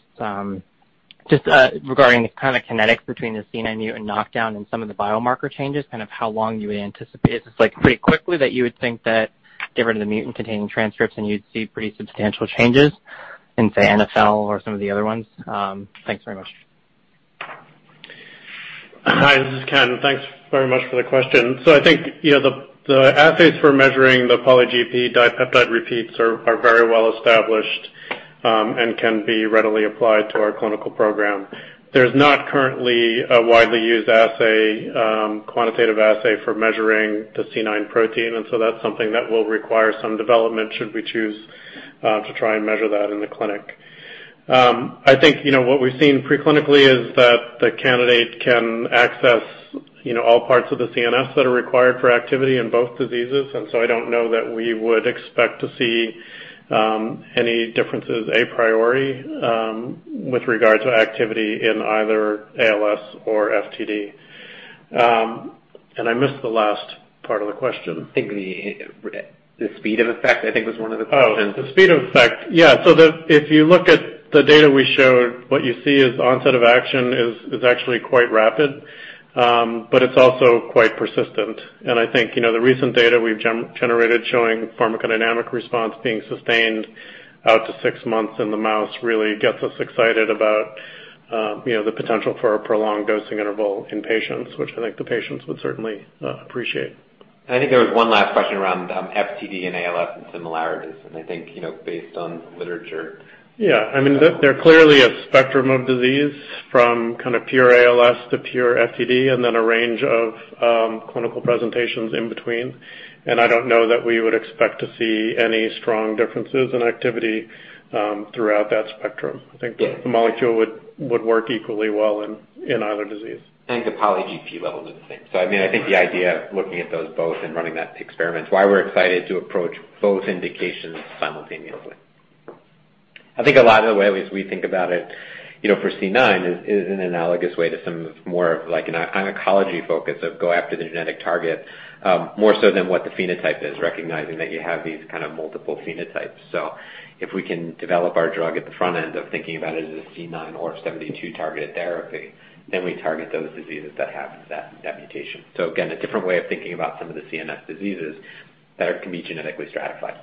just regarding the kind of kinetics between the C9 mutant knockdown and some of the biomarker changes, how long you would anticipate? Is this pretty quickly that you would think that get rid of the mutant-containing transcripts and you'd see pretty substantial changes in, say, NFL or some of the other ones? Thanks very much. Hi, this is Ken. Thanks very much for the question. I think the assays for measuring the poly-GP dipeptide repeats are very well established and can be readily applied to our clinical program. There's not currently a widely used assay, quantitative assay, for measuring the C9orf72, and so that's something that will require some development should we choose to try and measure that in the clinic. I think what we've seen preclinically is that the candidate can access all parts of the CNS that are required for activity in both diseases, and so I don't know that we would expect to see any differences a priori with regard to activity in either ALS or FTD. I missed the last part of the question. I think the speed of effect, I think was one of the questions. The speed of effect. Yeah. If you look at the data we showed, what you see is onset of action is actually quite rapid. It's also quite persistent. I think the recent data we've generated showing pharmacodynamic response being sustained out to six months in the mouse really gets us excited about the potential for a prolonged dosing interval in patients, which I think the patients would certainly appreciate. I think there was one last question around FTD and ALS and similarities, and I think based on literature. Yeah, I mean, they're clearly a spectrum of disease from kind of pure ALS to pure FTD and then a range of clinical presentations in between. I don't know that we would expect to see any strong differences in activity throughout that spectrum. I think the molecule would work equally well in either disease. I think the poly-GP level is the same. I think the idea of looking at those both and running that experiment is why we're excited to approach both indications simultaneously. I think a lot of the ways we think about it for C9 is in an analogous way to some more of like an oncology focus of go after the genetic target, more so than what the phenotype is, recognizing that you have these kind of multiple phenotypes. If we can develop our drug at the front end of thinking about it as a C9orf72 targeted therapy, then we target those diseases that have that mutation. Again, a different way of thinking about some of the CNS diseases that can be genetically stratified.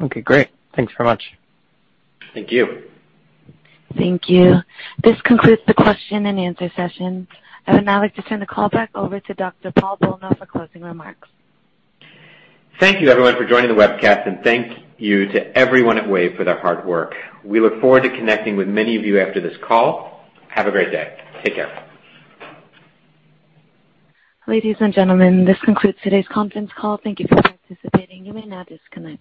Okay, great. Thanks very much. Thank you. Thank you. This concludes the question and answer session. I would now like to turn the call back over to Dr. Paul Bolno for closing remarks. Thank you everyone for joining the webcast and thank you to everyone at Wave for their hard work. We look forward to connecting with many of you after this call. Have a great day. Take care. Ladies and gentlemen, this concludes today's conference call. Thank you for participating. You may now disconnect.